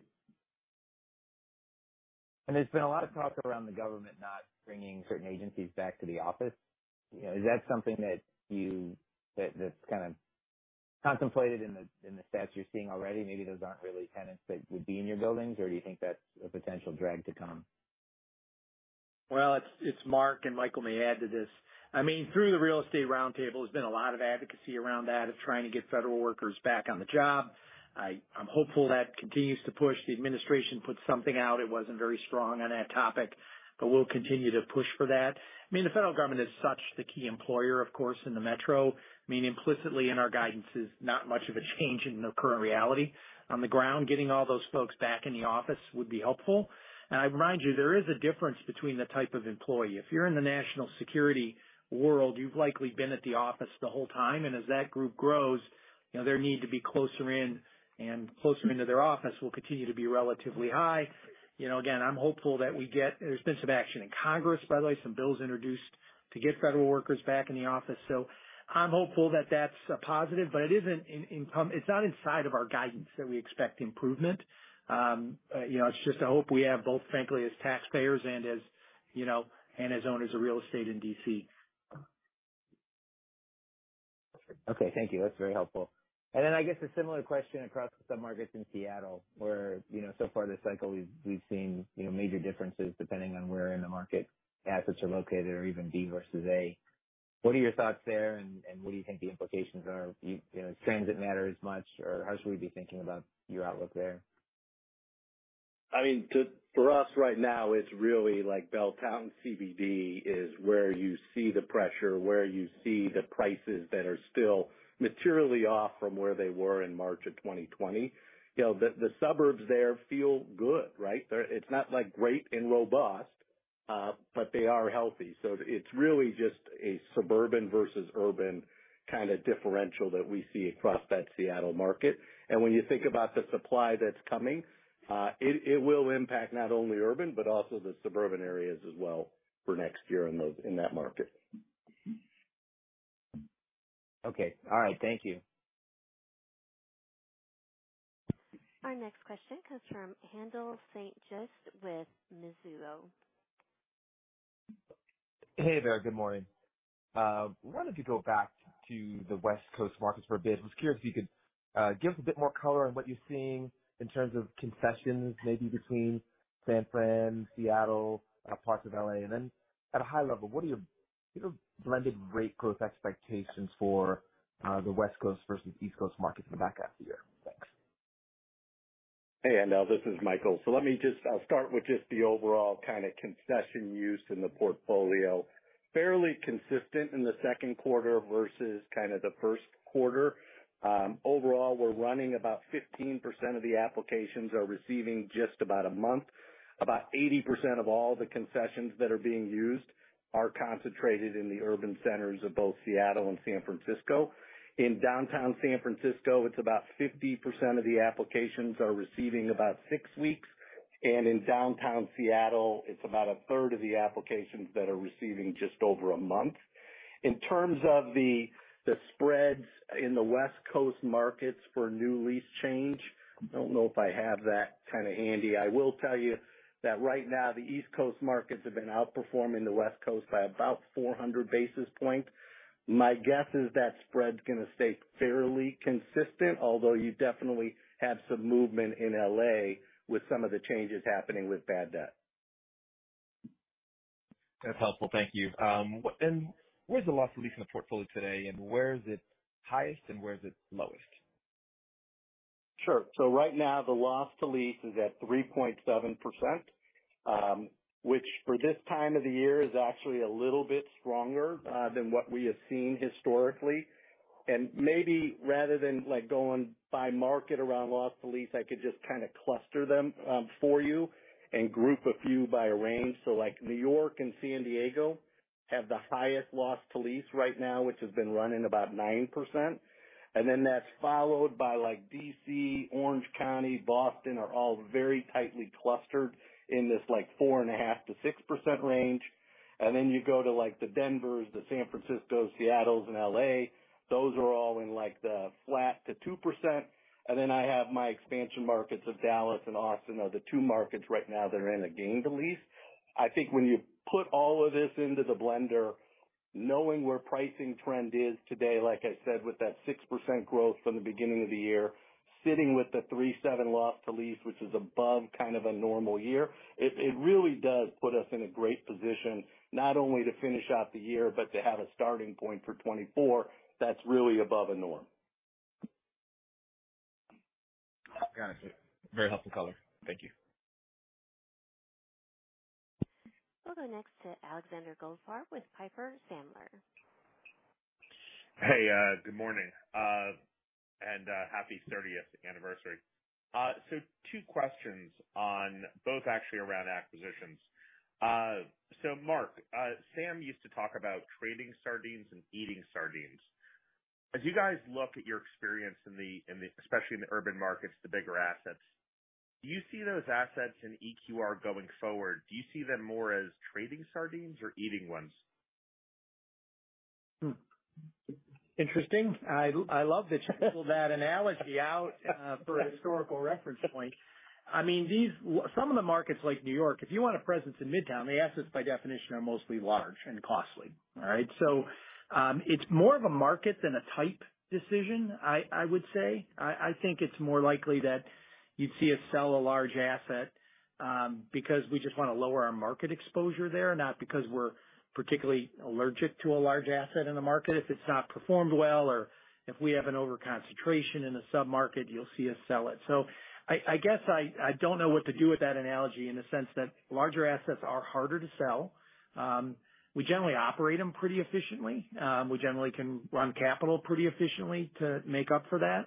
There's been a lot of talk around the government not bringing certain agencies back to the office. You know, is that something that you, that's kind of contemplated in the, in the stats you're seeing already? Maybe those aren't really tenants that would be in your buildings, or do you think that's a potential drag to come? Well, it's, it's Mark, and Michael may add to this. I mean, through The Real Estate Roundtable, there's been a lot of advocacy around that, of trying to get federal workers back on the job. I'm hopeful that continues to push. The administration put something out. It wasn't very strong on that topic, but we'll continue to push for that. I mean, the federal government is such the key employer, of course, in the metro. I mean, implicitly in our guidance is not much of a change in the current reality. On the ground, getting all those folks back in the office would be helpful. I remind you, there is a difference between the type of employee. If you're in the national security world, you've likely been at the office the whole time, and as that group grows, you know, their need to be closer in and closer into their office will continue to be relatively high. You know, again, I'm hopeful that we get... There's been some action in Congress, by the way, some bills introduced to get federal workers back in the office. I'm hopeful that that's a positive, but it isn't in, it's not inside of our guidance that we expect improvement. You know, it's just a hope we have, both frankly, as taxpayers and as, you know, and as owners of real estate in D.C. Okay. Thank you. That's very helpful. Then I guess a similar question across the submarkets in Seattle, where, you know, so far this cycle we've seen, you know, major differences depending on where in the market assets are located or even B versus A. What are your thoughts there, and what do you think the implications are? You know, does transit matter as much, or how should we be thinking about your outlook there? I mean, for us right now, it's really like Belltown CBD is where you see the pressure, where you see the prices that are still materially off from where they were in March of 2020. You know, the, the suburbs there feel good, right? It's not like great and robust, but they are healthy. It's really just a suburban versus urban kind of differential that we see across that Seattle market. When you think about the supply that's coming, it, it will impact not only urban, but also the suburban areas as well for next year in those, in that market. Okay. All right. Thank you. Our next question comes from Haendel St. Juste with Mizuho. Hey there. Good morning. Wanted to go back to the West Coast markets for a bit. I was curious if you could give us a bit more color on what you're seeing in terms of concessions, maybe between San Fran, Seattle, parts of L.A. Then at a high level, what are your, you know, blended rate growth expectations for the West Coast versus East Coast markets in the back half of the year? Thanks. Hey, Haendel, this is Michael. Let me just, I'll start with just the overall kind of concession use in the portfolio. Fairly consistent in the second quarter versus kind of the first quarter. Overall, we're running about 15% of the applications are receiving just about a month. About 80% of all the concessions that are being used are concentrated in the urban centers of both Seattle and San Francisco. In downtown San Francisco, it's about 50% of the applications are receiving about 6 weeks, and in downtown Seattle, it's about a third of the applications that are receiving just over a month. In terms of the, the spreads in the West Coast markets for new lease change, I don't know if I have that kind of handy. I will tell you that right now, the East Coast markets have been outperforming the West Coast by about 400 basis points. My guess is that spread's going to stay fairly consistent, although you definitely have some movement in L.A. with some of the changes happening with bad debt. That's helpful. Thank you. Where's the loss to lease in the portfolio today, and where is it highest and where is it lowest? Sure. Right now, the loss to lease is at 3.7%, which for this time of the year, is actually a little bit stronger than what we have seen historically. Maybe rather than, like, going by market around loss to lease, I could just kind of cluster them for you and group a few by a range. Like, New York and San Diego have the highest loss to lease right now, which has been running about 9%. Then that's followed by, like, D.C., Orange County, Boston, are all very tightly clustered in this, like, 4.5%-6% range. You go to, like, the Denvers, the San Franciscos, Seattles, and L.A., those are all in, like, the flat to 2%. I have my expansion markets of Dallas and Austin are the two markets right now that are in a gain to lease. I think when you put all of this into the blender, knowing where pricing trend is today, like I said, with that 6% growth from the beginning of the year, sitting with the 3.7% loss to lease, which is above kind of a normal year, it really does put us in a great position, not only to finish out the year, but to have a starting point for 2024 that's really above the norm. Got it. Very helpful color. Thank you. We'll go next to Alexander Goldfarb with Piper Sandler. Hey, good morning, and happy 30th anniversary. So two questions on... both actually around acquisitions. So Mark Parrell, Sam Zell used to talk about trading sardines and eating sardines. As you guys look at your experience in the, in the, especially in the urban markets, the bigger assets, do you see those assets in EQR going forward? Do you see them more as trading sardines or eating ones? Interesting. I, I love that you pulled that analogy out for a historical reference point. I mean, some of the markets like New York, if you want a presence in Midtown, the assets by definition are mostly large and costly. All right? It's more of a market than a type decision, I, I would say. I, I think it's more likely that you'd see us sell a large asset because we just want to lower our market exposure there, not because we're particularly allergic to a large asset in the market. If it's not performed well or if we have an overconcentration in a sub-market, you'll see us sell it. I, I guess I, I don't know what to do with that analogy in the sense that larger assets are harder to sell. We generally operate them pretty efficiently. We generally can run capital pretty efficiently to make up for that,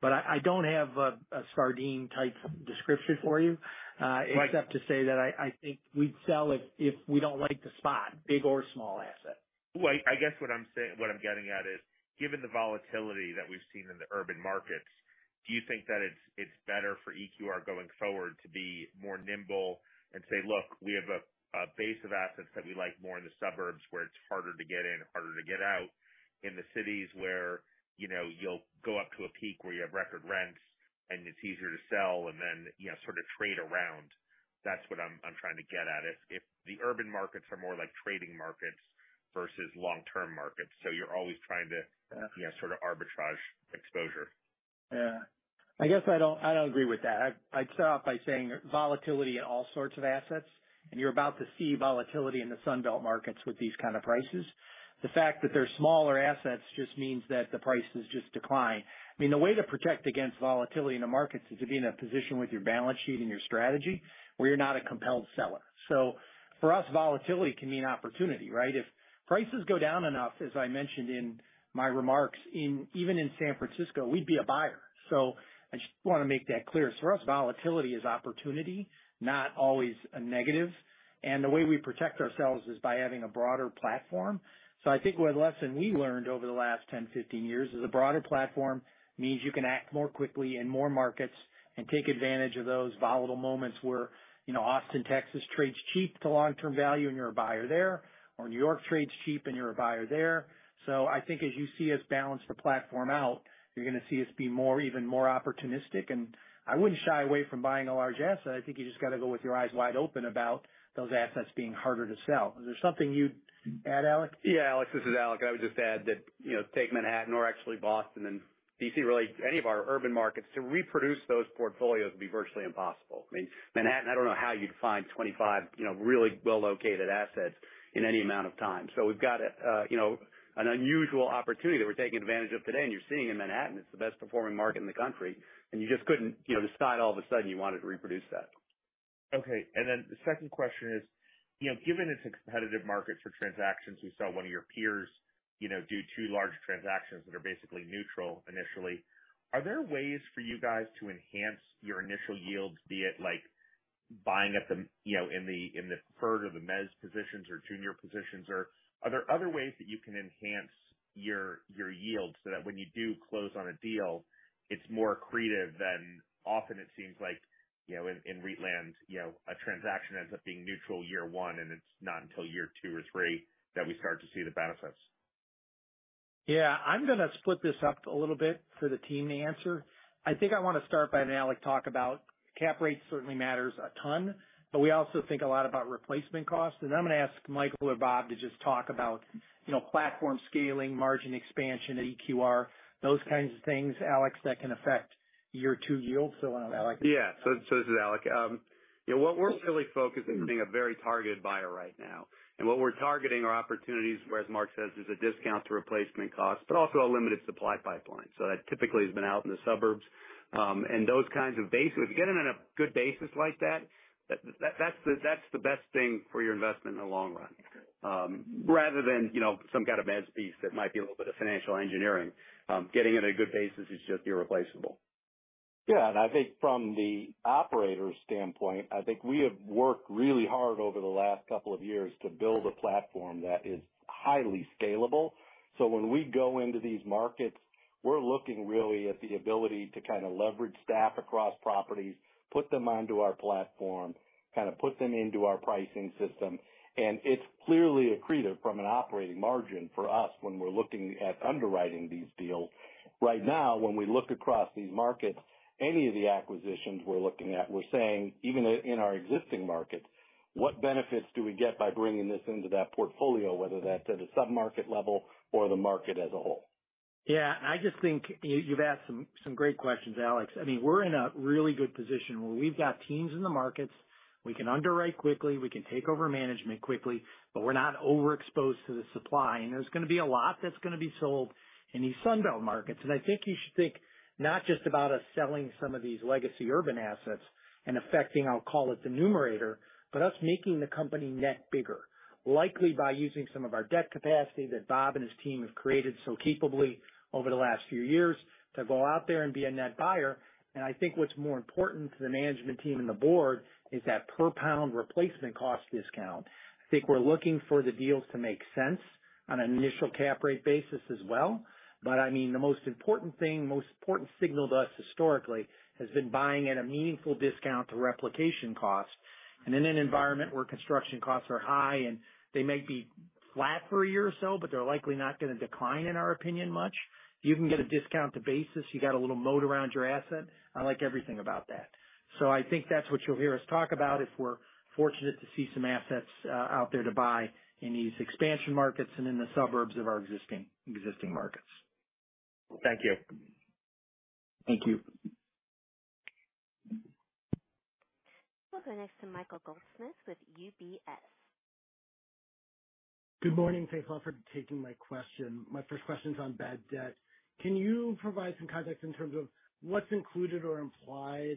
but I, I don't have a, a sardine-type description for you. Right. except to say that I, I think we'd sell if, if we don't like the spot, big or small asset. Well, I, I guess what I'm saying, what I'm getting at is, given the volatility that we've seen in the urban markets, do you think that it's, it's better for EQR going forward to be more nimble and say, "Look, we have a, a base of assets that we like more in the suburbs, where it's harder to get in, harder to get out." In the cities where, you know, you'll go up to a peak where you have record rents and it's easier to sell and then, you know, sort of trade around. That's what I'm, I'm trying to get at, is if the urban markets are more like trading markets versus long-term markets, so you're always trying to- Uh. Yeah, sort of arbitrage exposure. Yeah. I guess I don't, I don't agree with that. I, I'd start off by saying volatility in all sorts of assets. You're about to see volatility in the Sun Belt markets with these kind of prices. The fact that they're smaller assets just means that the prices just decline. I mean, the way to protect against volatility in the markets is to be in a position with your balance sheet and your strategy, where you're not a compelled seller. For us, volatility can mean opportunity, right? If prices go down enough, as I mentioned in my remarks, even in San Francisco, we'd be a buyer. I just want to make that clear. For us, volatility is opportunity, not always a negative, and the way we protect ourselves is by having a broader platform. I think one lesson we learned over the last 10, 15 years is a broader platform means you can act more quickly in more markets and take advantage of those volatile moments where, you know, Austin, Texas, trades cheap to long-term value, and you're a buyer there, or New York trades cheap, and you're a buyer there. I think as you see us balance the platform out, you're going to see us be more, even more opportunistic. I wouldn't shy away from buying a large asset. I think you just gotta go with your eyes wide open about those assets being harder to sell. Is there something you'd add, Alex? Yeah, Alex, this is Alex. I would just add that, you know, take Manhattan or actually Boston and D.C., really any of our urban markets, to reproduce those portfolios would be virtually impossible. I mean, Manhattan, I don't know how you'd find 25, you know, really well-located assets in any amount of time. We've got a, you know, an unusual opportunity that we're taking advantage of today, and you're seeing in Manhattan, it's the best performing market in the country, and you just couldn't, you know, decide all of a sudden you wanted to reproduce that. Okay. Then the second question is, you know, given it's a competitive market for transactions, you saw one of your peers, you know, do two large transactions that are basically neutral initially. Are there ways for you guys to enhance your initial yields, be it like buying at the, you know, in the, in the preferred or the mezz positions or junior positions? Or are there other ways that you can enhance your, your yield so that when you do close on a deal, it's more accretive than often it seems like, you know, in, in REIT land, you know, a transaction ends up being neutral year one, and it's not until year two or three that we start to see the benefits. Yeah, I'm going to split this up a little bit for the team to answer. I think I want to start by Alex, talk about cap rate certainly matters a ton, but we also think a lot about replacement costs. I'm going to ask Michael or Bob to just talk about, you know, platform scaling, margin expansion at EQR, those kinds of things, Alex, that can affect year two yields. Why don't Alex- Yeah. This is Alex. You know, what we're really focused on being a very targeted buyer right now, and what we're targeting are opportunities where, as Mark says, there's a discount to replacement costs, but also a limited supply pipeline. That typically has been out in the suburbs. Those kinds of bases, if you get them in a good basis like that, that's the best thing for your investment in the long run. Rather than, you know, some kind of mezz piece that might be a little bit of financial engineering. Getting it a good basis is just irreplaceable. Yeah, I think from the operator's standpoint, I think we have worked really hard over the last couple of years to build a platform that is highly scalable. When we go into these markets, we're looking really at the ability to kind of leverage staff across properties, put them onto our platform, kind of put them into our pricing system, and it's clearly accretive from an operating margin for us when we're looking at underwriting these deals. Right now, when we look across these markets, any of the acquisitions we're looking at, we're saying, even in our existing markets, what benefits do we get by bringing this into that portfolio, whether that's at a sub-market level or the market as a whole? Yeah, I just think you, you've asked some, some great questions, Alex. I mean, we're in a really good position where we've got teams in the markets, we can underwrite quickly, we can take over management quickly, but we're not overexposed to the supply. There's going to be a lot that's going to be sold in these Sun Belt markets. I think you should think not just about us selling some of these legacy urban assets and affecting, I'll call it the numerator, but us making the company net bigger, likely by using some of our debt capacity that Bob and his team have created so capably over the last few years to go out there and be a net buyer. I think what's more important to the management team and the board is that per-pound replacement cost discount. I think we're looking for the deals to make sense on an initial cap rate basis as well. I mean, the most important thing, most important signal to us historically, has been buying at a meaningful discount to replication cost. In an environment where construction costs are high and they may be flat for one year or so, but they're likely not going to decline, in our opinion much. You can get a discount to basis. You got a little moat around your asset. I like everything about that. I think that's what you'll hear us talk about if we're fortunate to see some assets out there to buy in these expansion markets and in the suburbs of our existing, existing markets. Thank you. Thank you. We'll go next to Michael Goldsmith with UBS. Good morning. Thanks a lot for taking my question. My first question is on bad debt. Can you provide some context in terms of what's included or implied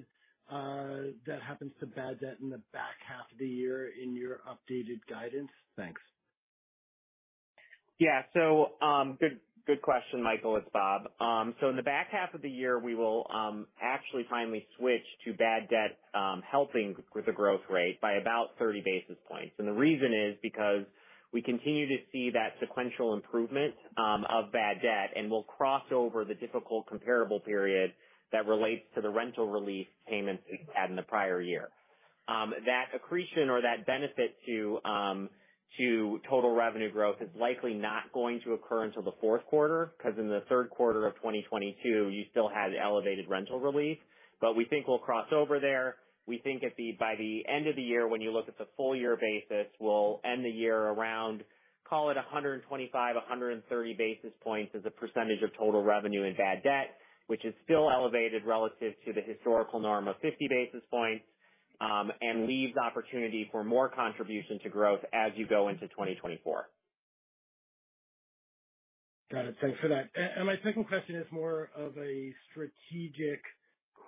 that happens to bad debt in the back half of the year in your updated guidance? Thanks. Yeah. Good, good question, Michael. It's Bob. In the back half of the year, we will actually finally switch to bad debt, helping with the growth rate by about 30 basis points. The reason is because we continue to see that sequential improvement of bad debt, and we'll cross over the difficult comparable period that relates to the rental relief payments we had in the prior year. That accretion or that benefit to total revenue growth is likely not going to occur until the fourth quarter, because in the third quarter of 2022, you still had elevated rental relief. We think we'll cross over there. We think at the-- by the end of the year, when you look at the full year basis, we'll end the year around, call it 125-130 basis points as a percentage of total revenue in bad debt, which is still elevated relative to the historical norm of 50 basis points, and leaves opportunity for more contribution to growth as you go into 2024. Got it. Thanks for that. My second question is more of a strategic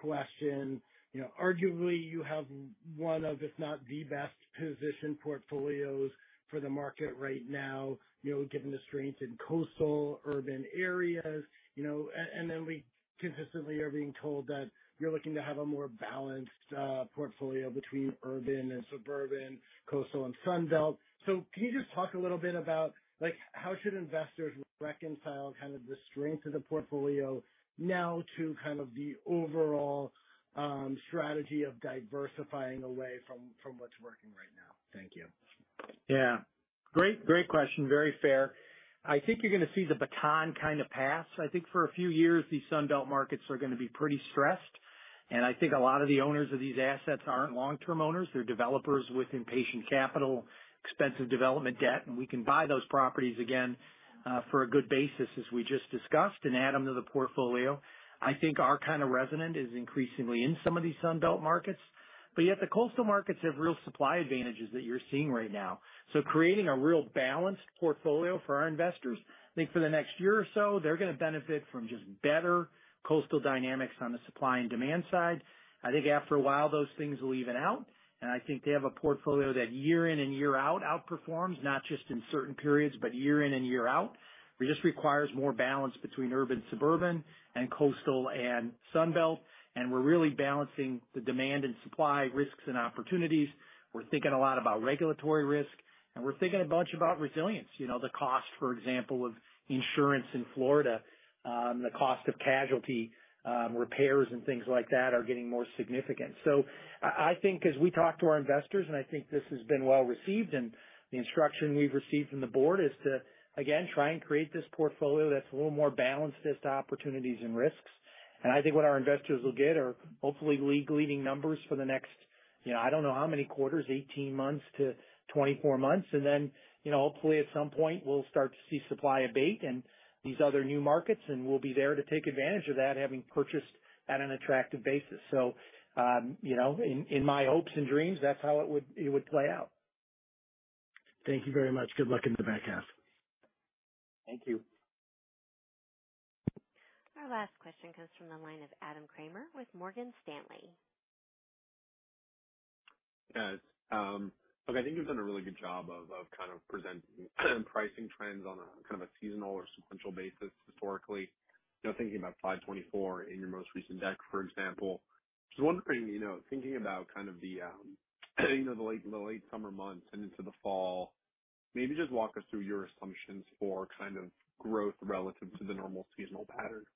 question. You know, arguably, you have one of, if not, the best positioned portfolios for the market right now, you know, given the strength in coastal urban areas, you know, and then we consistently are being told that you're looking to have a more balanced portfolio between urban and suburban, coastal and Sun Belt. Can you just talk a little bit about, like, how should investors reconcile kind of the strength of the portfolio now to kind of the overall strategy of diversifying away from, from what's working right now? Thank you. Yeah. Great, great question. Very fair. I think you're going to see the baton kind of pass. I think for a few years, these Sun Belt markets are going to be pretty stressed, and I think a lot of the owners of these assets aren't long-term owners. They're developers with impatient capital, expensive development debt, and we can buy those properties again, for a good basis, as we just discussed, and add them to the portfolio. I think our kind of resonant is increasingly in some of these Sun Belt markets, but yet the coastal markets have real supply advantages that you're seeing right now. Creating a real balanced portfolio for our investors, I think for the next year or so, they're going to benefit from just better coastal dynamics on the supply and demand side. I think after a while, those things will even out, and I think they have a portfolio that year in and year out, outperforms, not just in certain periods, but year in and year out. It just requires more balance between urban, suburban, and coastal, and Sun Belt. We're really balancing the demand and supply, risks and opportunities. We're thinking a lot about regulatory risk, and we're thinking a bunch about resilience. You know, the cost, for example, of insurance in Florida, the cost of casualty, repairs and things like that are getting more significant. I, I think as we talk to our investors, and I think this has been well received, and the instruction we've received from the board is to, again, try and create this portfolio that's a little more balanced as to opportunities and risks. I think what our investors will get are hopefully league-leading numbers for the next, you know, I don't know how many quarters, 18 months to 24 months. You know, hopefully at some point we'll start to see supply abate and these other new markets, and we'll be there to take advantage of that, having purchased at an attractive basis. You know, in, in my hopes and dreams, that's how it would, it would play out. Thank you very much. Good luck in the back half. Thank you. Our last question comes from the line of Adam Kramer with Morgan Stanley. Yes. Look, I think you've done a really good job of, of kind of presenting pricing trends on a kind of a seasonal or sequential basis historically. You know, thinking about 524 in your most recent deck, for example. Just wondering, you know, thinking about kind of the, you know, the late, the late summer months and into the fall, maybe just walk us through your assumptions for kind of growth relative to the normal seasonal pattern.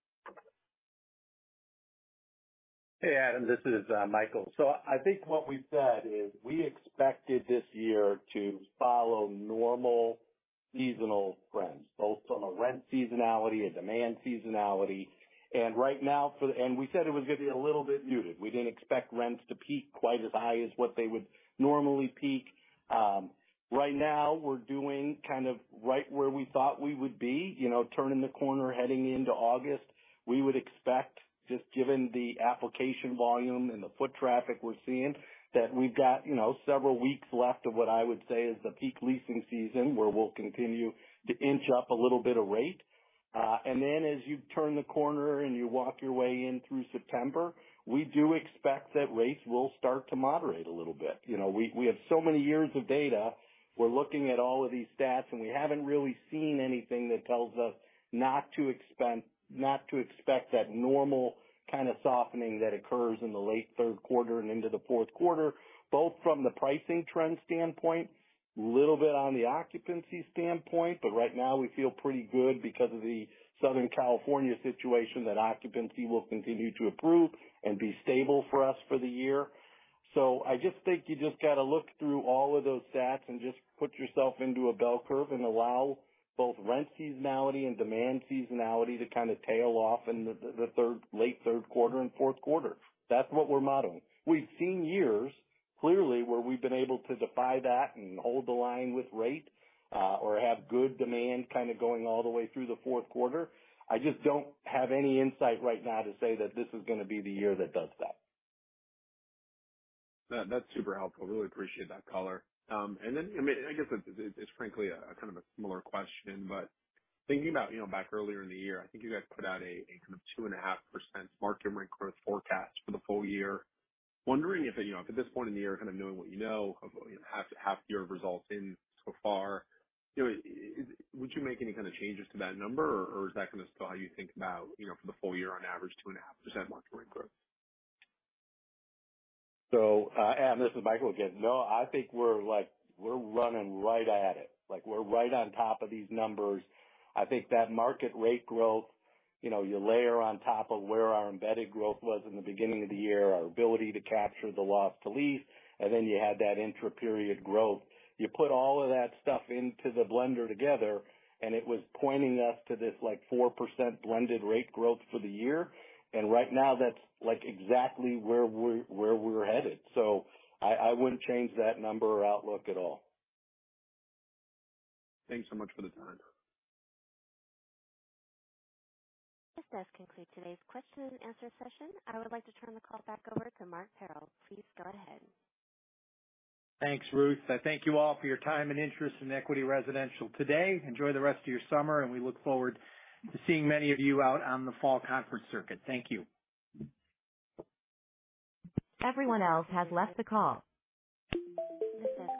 Hey, Adam, this is Michael. I think what we've said is we expected this year to follow normal seasonal trends, both on a rent seasonality, a demand seasonality. Right now, we said it was going to be a little bit muted. We didn't expect rents to peak quite as high as what they would normally peak. Right now we're doing kind of right where we thought we would be, you know, turning the corner, heading into August. We would expect, just given the application volume and the foot traffic we're seeing, that we've got, you know, several weeks left of what I would say is the peak leasing season, where we'll continue to inch up a little bit of rate. Then as you turn the corner and you walk your way in through September, we do expect that rates will start to moderate a little bit. You know, we, we have so many years of data. We're looking at all of these stats, and we haven't really seen anything that tells us not to expect that normal kind of softening that occurs in the late third quarter and into the fourth quarter, both from the pricing trend standpoint, little bit on the occupancy standpoint, but right now we feel pretty good because of the Southern California situation, that occupancy will continue to improve and be stable for us for the year. I just think you just got to look through all of those stats and just put yourself into a bell curve and allow both rent seasonality and demand seasonality to kind of tail off in the third, late Q3 and Q4. That's what we're modeling. We've seen years clearly where we've been able to defy that and hold the line with rate, or have good demand kind of going all the way through the fourth quarter. I just don't have any insight right now to say that this is gonna be the year that does that. That's super helpful. Really appreciate that color. I mean, I guess it's frankly a kind of a similar question, but thinking about, you know, back earlier in the year, I think you guys put out a kind of 2.5% market rent growth forecast for the full year. Wondering if, you know, at this point in the year, kind of knowing what you know, half year of results in so far, you know, would you make any kind of changes to that number, or is that kind of still how you think about, you know, for the full year on average, 2.5% market rent growth? And this is Michael again. No, I think we're, we're running right at it, we're right on top of these numbers. I think that market rate growth, you know, you layer on top of where our embedded growth was in the beginning of the year, our ability to capture the loss to lease, and then you had that intra-period growth. You put all of that stuff into the blender together, and it was pointing us to this, 4% blended rate growth for the year. Right now, that's exactly where we're, where we're headed. I, I wouldn't change that number or outlook at all. Thanks so much for the time. This does conclude today's question and answer session. I would like to turn the call back over to Mark Parrell. Please go ahead. Thanks, Ruth. I thank you all for your time and interest in Equity Residential today. Enjoy the rest of your summer, and we look forward to seeing many of you out on the fall conference circuit. Thank you. Everyone else has left the call.